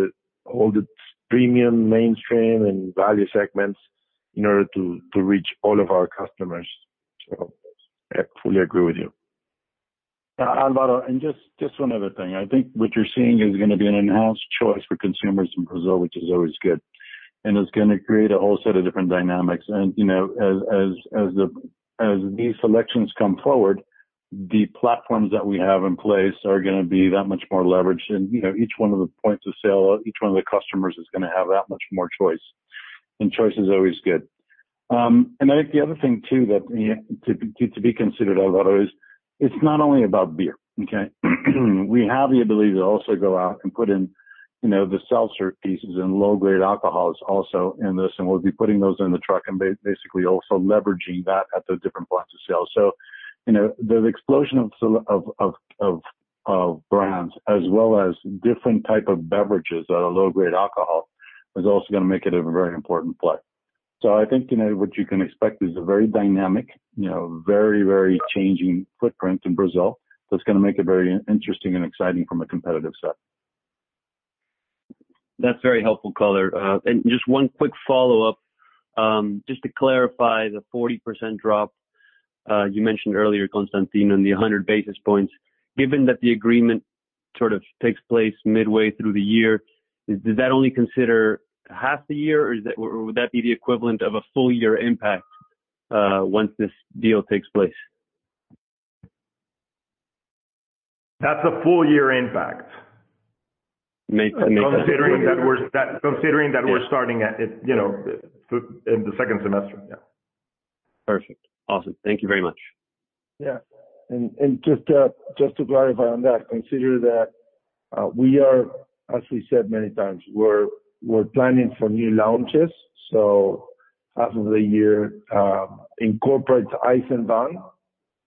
all the premium, mainstream, and value segments in order to reach all of our customers. So I fully agree with you. Álvaro, just one other thing. I think what you're seeing is gonna be an enhanced choice for consumers in Brazil, which is always good, and it's gonna create a whole set of different dynamics. You know, as these selections come forward, the platforms that we have in place are gonna be that much more leveraged. You know, each one of the points of sale, each one of the customers is gonna have that much more choice, and choice is always good. I think the other thing, too, to be considered, Alvaro, is it's not only about beer, okay? We have the ability to also go out and put in, you know, the seltzer pieces and low-grade alcohols also in this, and we'll be putting those in the truck and basically also leveraging that at the different points of sale. So, you know, the explosion of brands as well as different type of beverages at a low-grade alcohol is also gonna make it a very important play. So I think, you know, what you can expect is a very dynamic, you know, very, very changing footprint in Brazil. So it's gonna make it very interesting and exciting from a competitive side. That's very helpful color. And just one quick follow-up, just to clarify the 40% drop you mentioned earlier, Constantino, and the 100 basis points. Given that the agreement sort of takes place midway through the year, does that only consider half the year, or is that, or would that be the equivalent of a full year impact once this deal takes place? That's a full year impact. Makes- Considering that we're, Yeah. Considering that we're starting at it, you know, in the second semester. Yeah. Perfect. Awesome. Thank you very much. Yeah. And just to clarify on that, consider that we are, as we said many times, we're planning for new launches, so half of the year incorporates Eisenbahn,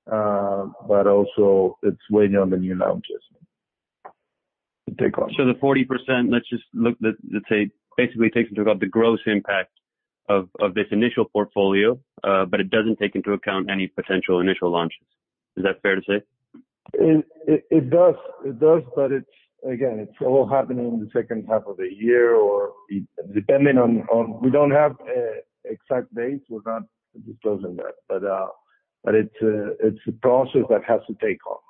but also it's waiting on the new launches to take off. The 40%, let's just say, basically takes into account the gross impact of this initial portfolio, but it doesn't take into account any potential initial launches. Is that fair to say? It does. It does, but it's again, it's all happening in the second half of the year or depending on. We don't have exact dates. We're not disclosing that, but it's a process that has to take off.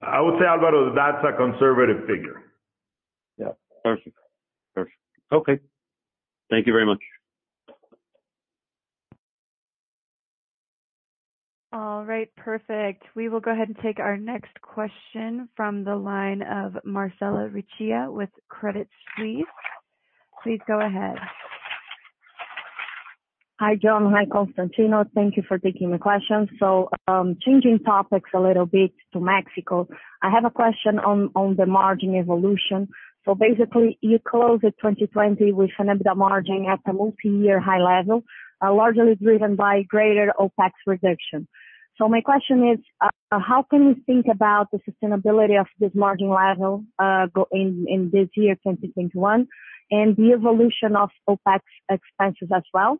I would say, Alvaro, that's a conservative figure. Yeah. Perfect. Perfect. Okay. Thank you very much. All right. Perfect. We will go ahead and take our next question from the line of Marcella Recchia with Credit Suisse.... Please go ahead. Hi, John. Hi, Constantino. Thank you for taking my question. So, changing topics a little bit to Mexico, I have a question on the margin evolution. So basically, you closed the 2020 with an EBITDA margin at a multi-year high level, largely driven by greater OpEx reduction. So my question is, how can we think about the sustainability of this margin level, going into this year, 2021, and the evolution of OpEx expenses as well?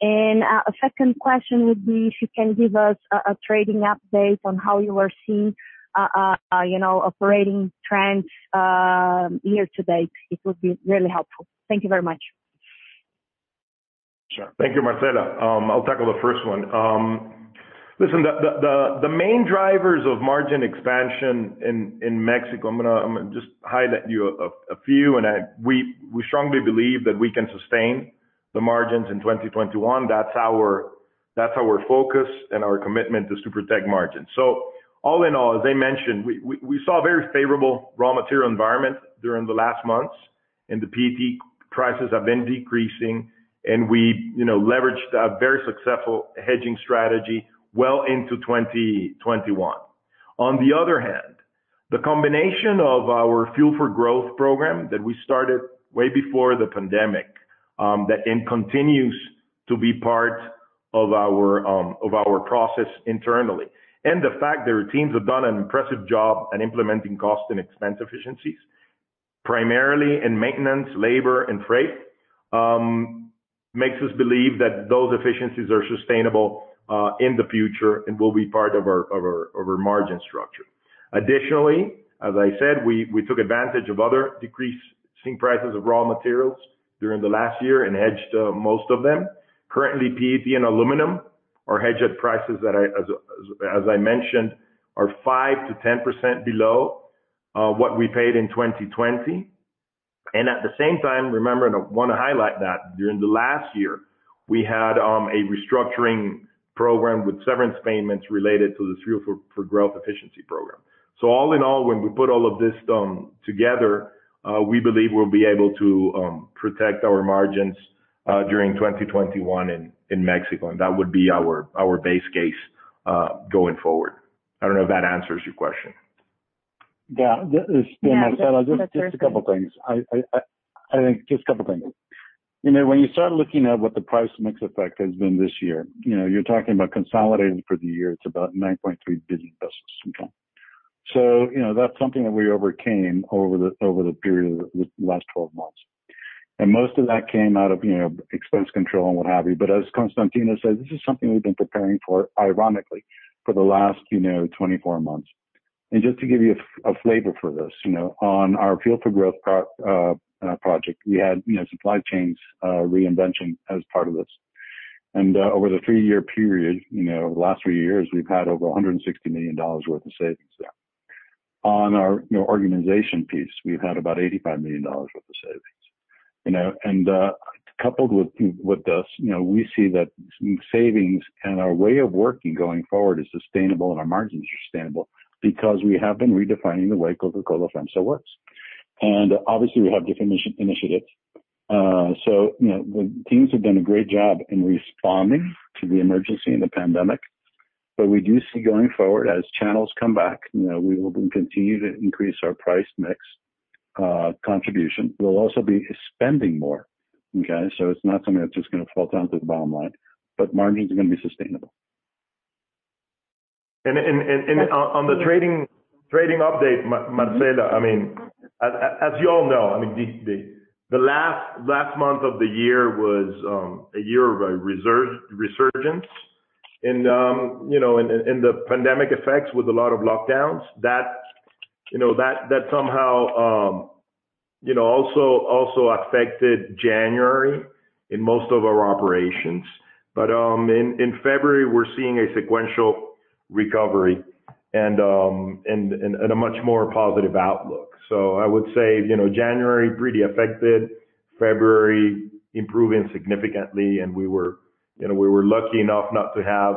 And, a second question would be, if you can give us a trading update on how you are seeing, you know, operating trends, year to date. It would be really helpful. Thank you very much. Sure. Thank you, Marcella. I'll tackle the first one. Listen, the main drivers of margin expansion in Mexico, I'm gonna just highlight you a few, and we strongly believe that we can sustain the margins in 2021. That's our focus and our commitment is to protect margins. So all in all, as I mentioned, we saw a very favorable raw material environment during the last months, and the PET prices have been decreasing, and we, you know, leveraged a very successful hedging strategy well into 2021. On the other hand, the combination of our Fuel for Growth program that we started way before the pandemic, that and continues to be part of our process internally. And the fact that our teams have done an impressive job at implementing cost and expense efficiencies, primarily in maintenance, labor, and freight, makes us believe that those efficiencies are sustainable in the future and will be part of our margin structure. Additionally, as I said, we took advantage of other decreasing prices of raw materials during the last year and hedged most of them. Currently, PET and aluminum are hedged at prices that I, as I mentioned, are 5%-10% below what we paid in 2020. And at the same time, remember, and I wanna highlight that, during the last year, we had a restructuring program with severance payments related to this Fuel for Growth efficiency program. So all in all, when we put all of this together, we believe we'll be able to protect our margins during 2021 in Mexico, and that would be our base case going forward. I don't know if that answers your question. Yeah. Yeah, Marcella, just a couple things. I think just a couple things. You know, when you start looking at what the price mix effect has been this year, you know, you're talking about consolidated for the year, it's about 9.3 billion pesos in income. So, you know, that's something that we overcame over the period of the last 12 months. And most of that came out of, you know, expense control and what have you. But as Constantino said, this is something we've been preparing for, ironically, for the last, you know, 24 months. And just to give you a flavor for this, you know, on our Fuel for Growth project, we had, you know, supply chain reinvention as part of this. Over the three-year period, you know, the last three years, we've had over $160 million worth of savings there. On our, you know, organization piece, we've had about $85 million worth of savings. You know, coupled with this, you know, we see that savings and our way of working going forward is sustainable and our margins are sustainable because we have been redefining the way Coca-Cola FEMSA works. Obviously, we have different initiatives. So, you know, the teams have done a great job in responding to the emergency and the pandemic, but we do see going forward, as channels come back, you know, we will continue to increase our price mix contribution. We'll also be spending more, okay? So it's not something that's just gonna fall down to the bottom line, but margins are gonna be sustainable. On the trading update, Marcella. I mean, as you all know, I mean, the last month of the year was a year of a resurgence. You know, the pandemic effects with a lot of lockdowns that somehow also affected January in most of our operations. In February, we're seeing a sequential recovery and a much more positive outlook. I would say, you know, January, pretty affected. February, improving significantly, and we were lucky enough not to have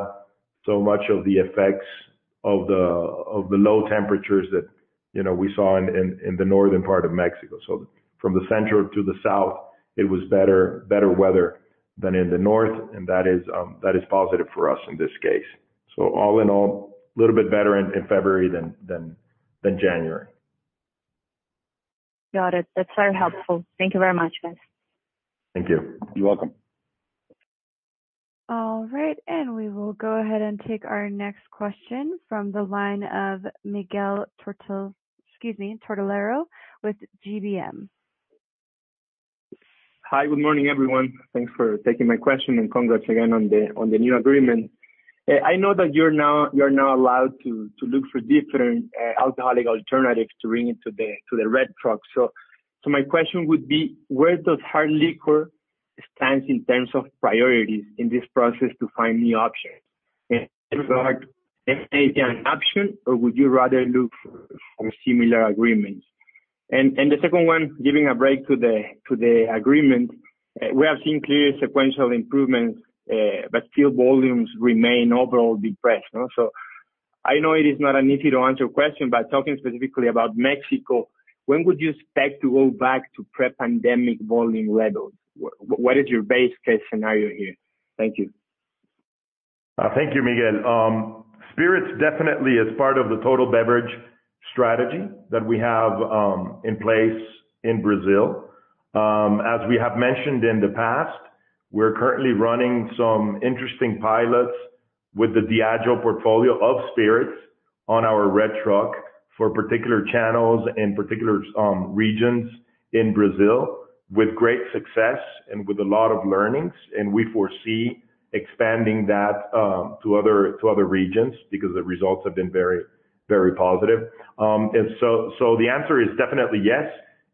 so much of the effects of the low temperatures that you know we saw in the northern part of Mexico. So from the central to the south, it was better, better weather than in the north, and that is, that is positive for us in this case. So all in all, a little bit better in February than January. Got it. That's very helpful. Thank you very much, guys. Thank you. You're welcome. All right, and we will go ahead and take our next question from the line of Miguel Tortolero with GBM. Hi, good morning, everyone. Thanks for taking my question, and congrats again on the new agreement. I know that you're now allowed to look for different alcoholic alternatives to bring into the red truck. So my question would be: Where does hard liquor stands in terms of priorities in this process to find new options, an option, or would you rather look for similar agreements? And the second one, giving credit to the agreement, we have seen clear sequential improvements, but still volumes remain overall depressed, no? I know it is not an easy to answer question, but talking specifically about Mexico, when would you expect to go back to pre-pandemic volume levels? What is your base case scenario here? Thank you. Thank you, Miguel. Spirits definitely is part of the total beverage strategy that we have in place in Brazil. As we have mentioned in the past, we're currently running some interesting pilots with the Diageo portfolio of spirits on our red truck for particular channels and particular regions in Brazil, with great success and with a lot of learnings, and we foresee expanding that to other regions, because the results have been very, very positive, and so the answer is definitely yes.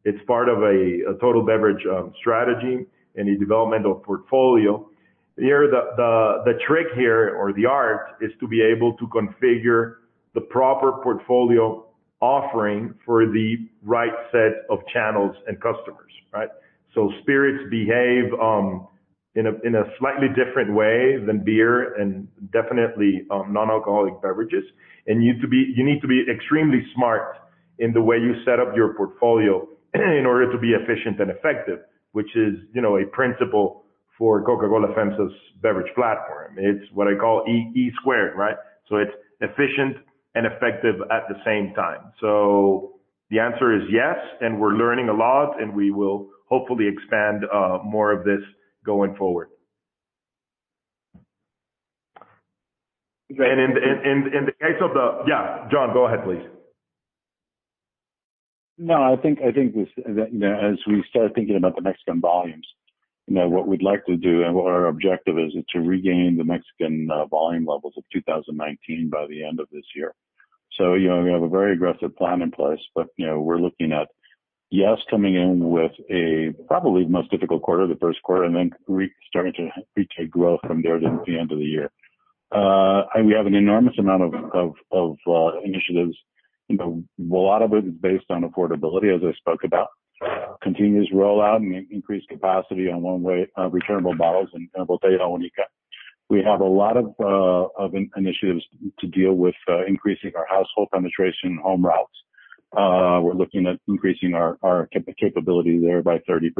It's part of a total beverage strategy and a developmental portfolio. Here, the trick here or the art is to be able to configure the proper portfolio offering for the right set of channels and customers, right? So spirits behave in a slightly different way than beer and definitely non-alcoholic beverages, and you need to be extremely smart in the way you set up your portfolio, in order to be efficient and effective, which is, you know, a principle for Coca-Cola FEMSA's beverage platform. It's what I call EE squared, right? So it's efficient and effective at the same time. So the answer is yes, and we're learning a lot, and we will hopefully expand more of this going forward. And- In the case of the... Yeah, John, go ahead, please. No, I think this, you know, as we start thinking about the Mexican volumes, you know, what we'd like to do and what our objective is, is to regain the Mexican volume levels of 2019 by the end of this year. So, you know, we have a very aggressive plan in place, but, you know, we're looking at, yes, coming in with probably the most difficult quarter, the first quarter, and then restarting to retake growth from there to the end of the year. And we have an enormous amount of initiatives. You know, a lot of it is based on affordability, as I spoke about. Continuous rollout and increased capacity on one-way returnable bottles and Botella Única. We have a lot of initiatives to deal with increasing our household penetration home routes. We're looking at increasing our capability there by 30%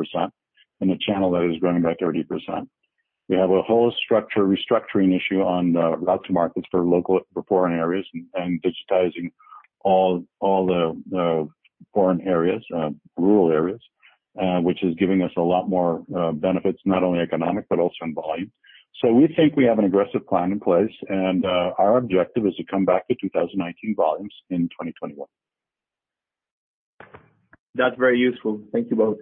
in the channel that is growing by 30%. We have a whole structure, restructuring issue on the route to markets for local, for rural areas and digitizing all the rural areas, which is giving us a lot more benefits, not only economic, but also in volume. We think we have an aggressive plan in place, and our objective is to come back to 2019 volumes in 2021. That's very useful. Thank you both.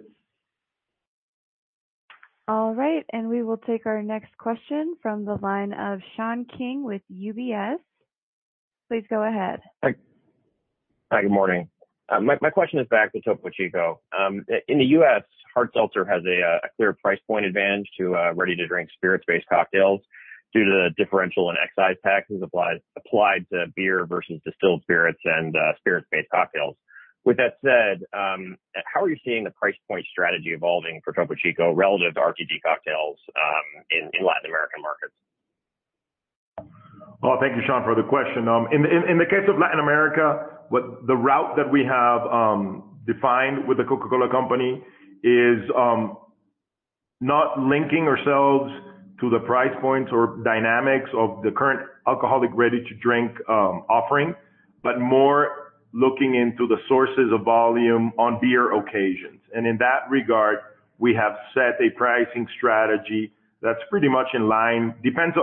All right, and we will take our next question from the line of Sean King with UBS. Please go ahead. Hi. Hi, good morning. My question is back to Topo Chico. In the U.S., hard seltzer has a clear price point advantage to ready-to-drink, spirits-based cocktails due to the differential and excise taxes applied to beer versus distilled spirits and spirits-based cocktails. With that said, how are you seeing the price point strategy evolving for Topo Chico relative to RTD cocktails in Latin American markets? Thank you, Sean, for the question. In the case of Latin America, the route that we have defined with The Coca-Cola Company is not linking ourselves to the price points or dynamics of the current alcoholic ready-to-drink offering, but more looking into the sources of volume on beer occasions. And in that regard, we have set a pricing strategy that's pretty much in line, depends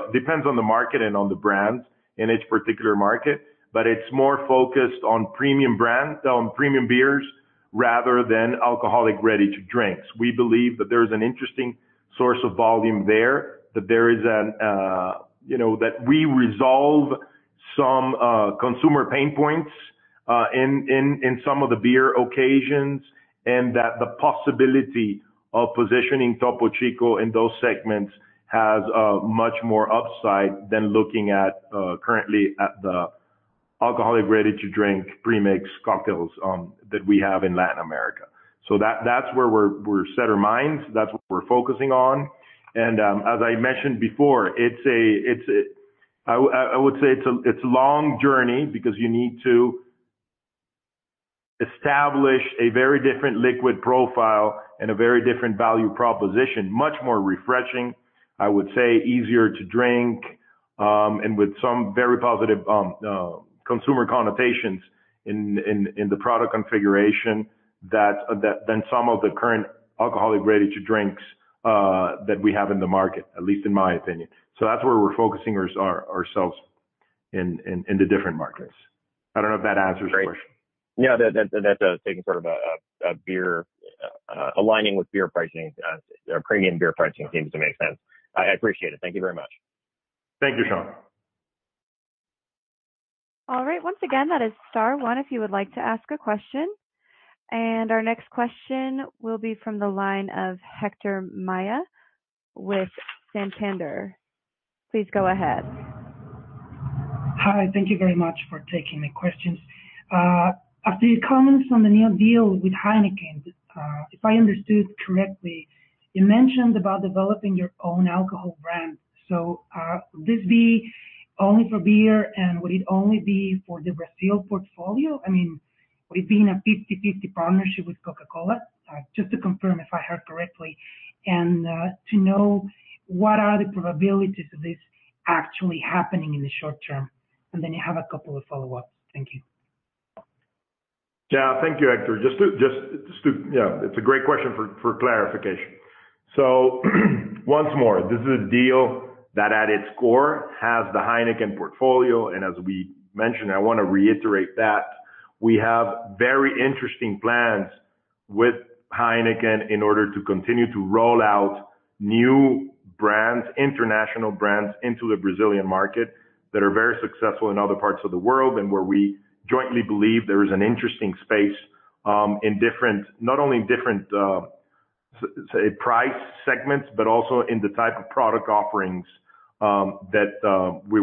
on the market and on the brands in each particular market, but it's more focused on premium brands, on premium beers, rather than alcoholic ready-to-drinks. We believe that there's an interesting source of volume there, that there is an, you know, that we resolve some consumer pain points in some of the beer occasions, and that the possibility of positioning Topo Chico in those segments has much more upside than looking at currently at the alcoholic ready-to-drink pre-mix cocktails that we have in Latin America. So that's where we're, we set our minds, that's what we're focusing on. And as I mentioned before, I would say it's a long journey because you need to establish a very different liquid profile and a very different value proposition. Much more refreshing, I would say, easier to drink, and with some very positive consumer connotations in the product configuration, than some of the current alcoholic ready-to-drinks that we have in the market, at least in my opinion. So that's where we're focusing ourselves in the different markets. I don't know if that answers your question. Yeah, that's taking sort of a beer, aligning with beer pricing or premium beer pricing seems to make sense. I appreciate it. Thank you very much. Thank you, Sean. All right. Once again, that is star one if you would like to ask a question, and our next question will be from the line of Héctor Maya with Santander. Please go ahead. Hi, thank you very much for taking the questions. After your comments on the new deal with Heineken, if I understood correctly, you mentioned about developing your own alcohol brand. So, would this be only for beer, and would it only be for the Brazil portfolio? I mean, would it be in a 50/50 partnership with Coca-Cola? Just to confirm if I heard correctly, and to know what are the probabilities of this actually happening in the short term, and then you have a couple of follow-ups. Thank you. Yeah. Thank you, Héctor. Just to... Yeah, it's a great question for clarification. So once more, this is a deal that, at its core, has the Heineken portfolio, and as we mentioned, I want to reiterate that we have very interesting plans with Heineken in order to continue to roll out new brands, international brands, into the Brazilian market, that are very successful in other parts of the world, and where we jointly believe there is an interesting space, in different, not only in different, say, price segments, but also in the type of product offerings, that we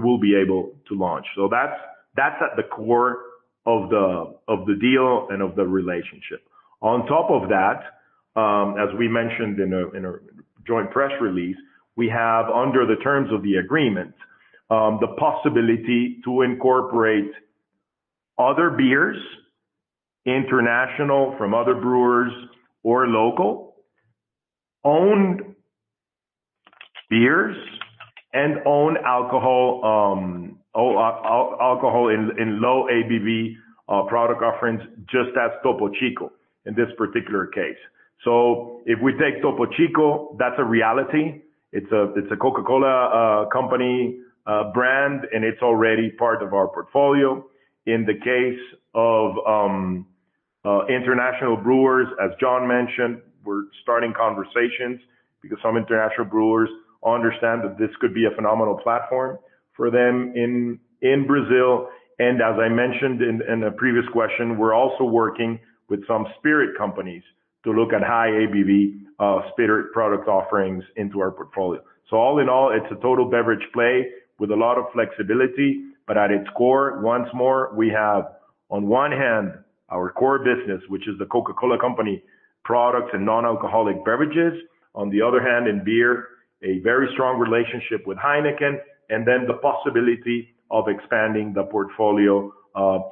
will be able to launch. So that's at the core of the deal and of the relationship. On top of that, as we mentioned in a joint press release, we have, under the terms of the agreement, the possibility to incorporate other beers, international from other brewers or local, owned beers and own alcohol in low ABV product offerings, just as Topo Chico, in this particular case. So if we take Topo Chico, that's a reality. It's a Coca-Cola Company brand, and it's already part of our portfolio. In the case of international brewers, as John mentioned, we're starting conversations because some international brewers understand that this could be a phenomenal platform for them in Brazil. And as I mentioned in a previous question, we're also working with some spirit companies to look at high ABV spirit product offerings into our portfolio. All in all, it's a total beverage play with a lot of flexibility, but at its core, once more, we have, on one hand, our core business, which is the Coca-Cola Company products and non-alcoholic beverages. On the other hand, in beer, a very strong relationship with Heineken, and then the possibility of expanding the portfolio,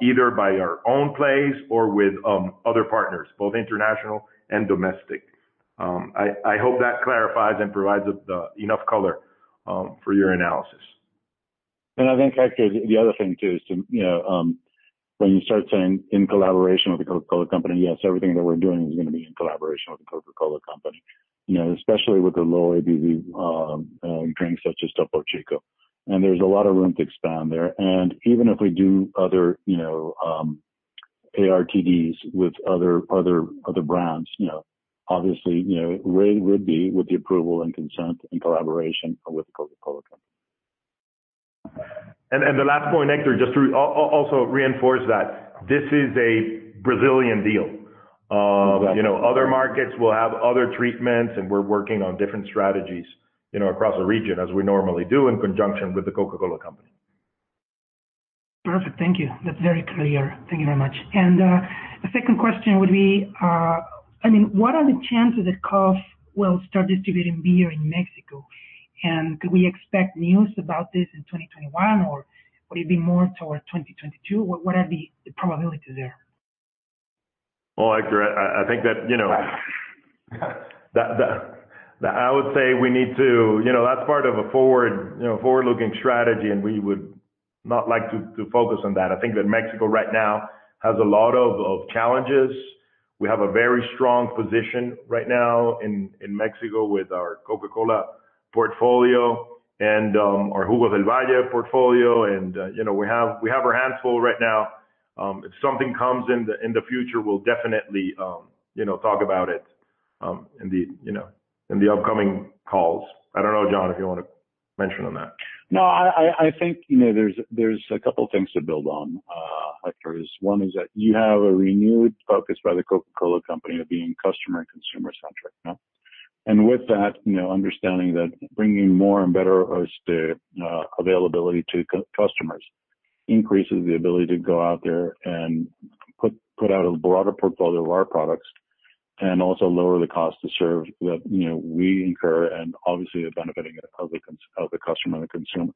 either by our own plays or with other partners, both international and domestic. I hope that clarifies and provides enough color for your analysis. I think, Hector, the other thing, too, is to, you know, when you start saying in collaboration with the Coca-Cola Company, yes, everything that we're doing is gonna be in collaboration with the Coca-Cola Company, you know, especially with the low ABV drinks such as Topo Chico. There's a lot of room to expand there. Even if we do other, you know, ARTDs with other brands, you know, obviously, you know, it really would be with the approval and consent and collaboration with the Coca-Cola Company. The last point, Hector, just to also reinforce that, this is a Brazilian deal. You know, other markets will have other treatments, and we're working on different strategies, you know, across the region, as we normally do in conjunction with the Coca-Cola Company. Perfect. Thank you. That's very clear. Thank you very much. The second question would be, I mean, what are the chances that KOF will start distributing beer in Mexico? And could we expect news about this in 2021, or would it be more toward 2022? What are the probabilities there? Well, Hector, I think that, you know, that I would say we need to. You know, that's part of a forward, you know, forward-looking strategy, and we would not like to focus on that. I think that Mexico right now has a lot of challenges. We have a very strong position right now in Mexico with our Coca-Cola portfolio and our Jugo del Valle portfolio, and, you know, we have our hands full right now. If something comes in the future, we'll definitely, you know, talk about it in the upcoming calls. I don't know, John, if you want to mention on that. No, I think, you know, there's a couple things to build on, Hector, is one, is that you have a renewed focus by the Coca-Cola Company of being customer and consumer-centric, yeah? And with that, you know, understanding that bringing more and better as to availability to customers increases the ability to go out there and put out a broader portfolio of our products, and also lower the cost to serve that, you know, we incur, and obviously the benefiting of the customer and the consumer.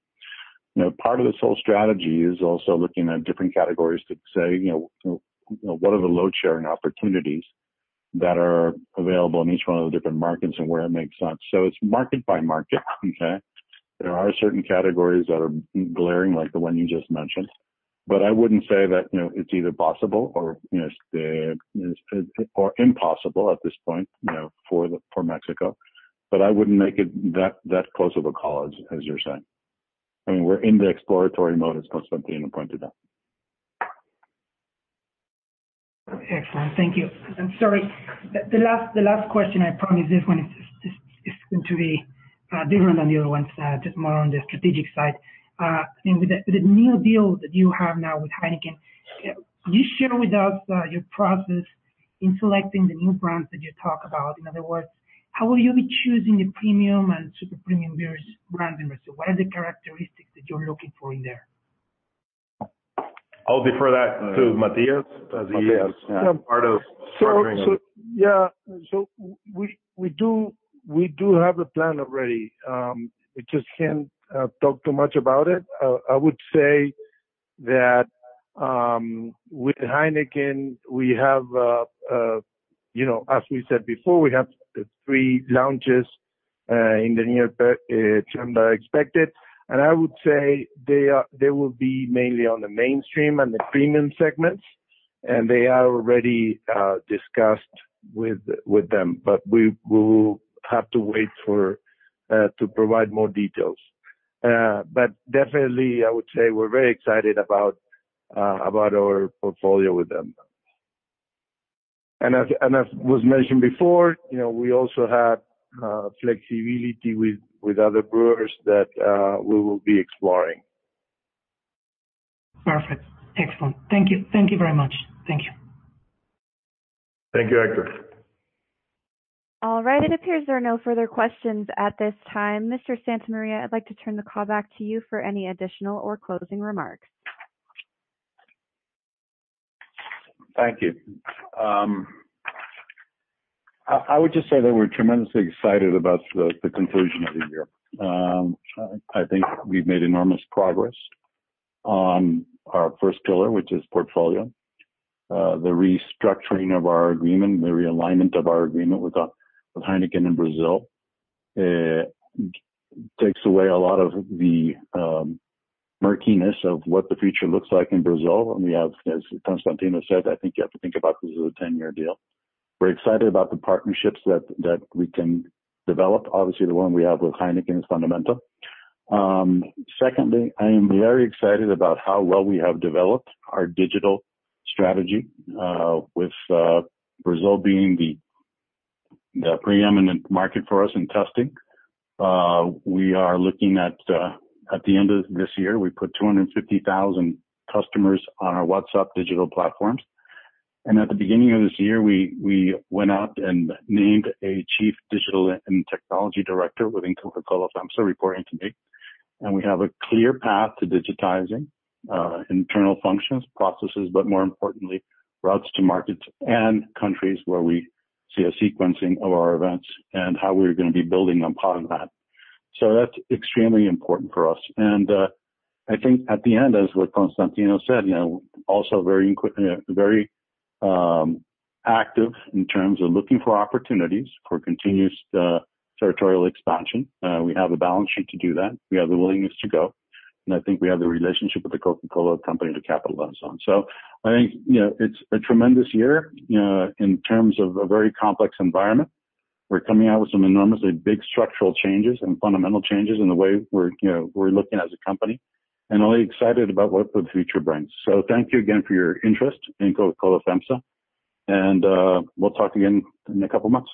You know, part of this whole strategy is also looking at different categories to say, you know, what are the load-sharing opportunities that are available in each one of the different markets and where it makes sense? So it's market by market, okay? There are certain categories that are glaring, like the one you just mentioned, but I wouldn't say that, you know, it's either possible or, you know, or impossible at this point, you know, for Mexico. But I wouldn't make it that close of a call, as you're saying. I mean, we're in the exploratory mode as Constantino pointed out. Okay, excellent. Thank you. And sorry, the last question, I promise this one is going to be different than the other ones, just more on the strategic side. And with the new deal that you have now with Heineken, can you share with us your process in selecting the new brands that you talk about? In other words, how will you be choosing the premium and super premium beers brand investor? What are the characteristics that you're looking for in there? I'll defer that to Matias, as he is, yeah, part of. So, yeah. We do have a plan already. We just can't talk too much about it. I would say that with Heineken, we have, you know, as we said before, we have three launches in the near term expected. And I would say they will be mainly on the mainstream and the premium segments, and they are already discussed with them. But we will have to wait to provide more details. But definitely, I would say we're very excited about our portfolio with them. And as was mentioned before, you know, we also have flexibility with other brewers that we will be exploring. Perfect. Excellent. Thank you. Thank you very much. Thank you. Thank you, Hector. All right, it appears there are no further questions at this time. Mr. Santa Maria, I'd like to turn the call back to you for any additional or closing remarks. Thank you. I would just say that we're tremendously excited about the conclusion of the year. I think we've made enormous progress on our first pillar, which is portfolio. The restructuring of our agreement, the realignment of our agreement with Heineken in Brazil, takes away a lot of the murkiness of what the future looks like in Brazil. And we have, as Constantino said, I think you have to think about this as a ten-year deal. We're excited about the partnerships that we can develop. Obviously, the one we have with Heineken is fundamental. Secondly, I am very excited about how well we have developed our digital strategy, with Brazil being the preeminent market for us in testing. We are looking at, at the end of this year, we put 250,000 customers on our WhatsApp digital platforms. And at the beginning of this year, we went out and named a chief digital and technology director within Coca-Cola FEMSA, reporting to me. And we have a clear path to digitizing internal functions, processes, but more importantly, routes to markets and countries where we see a sequencing of our events and how we're gonna be building upon that. So that's extremely important for us. And I think at the end, as what Constantino said, you know, also very active in terms of looking for opportunities for continuous territorial expansion. We have a balance sheet to do that. We have the willingness to go, and I think we have the relationship with the Coca-Cola Company to capitalize on. So I think, you know, it's a tremendous year in terms of a very complex environment. We're coming out with some enormously big structural changes and fundamental changes in the way we're, you know, we're looking as a company, and really excited about what the future brings. So thank you again for your interest in Coca-Cola FEMSA, and we'll talk again in a couple of months.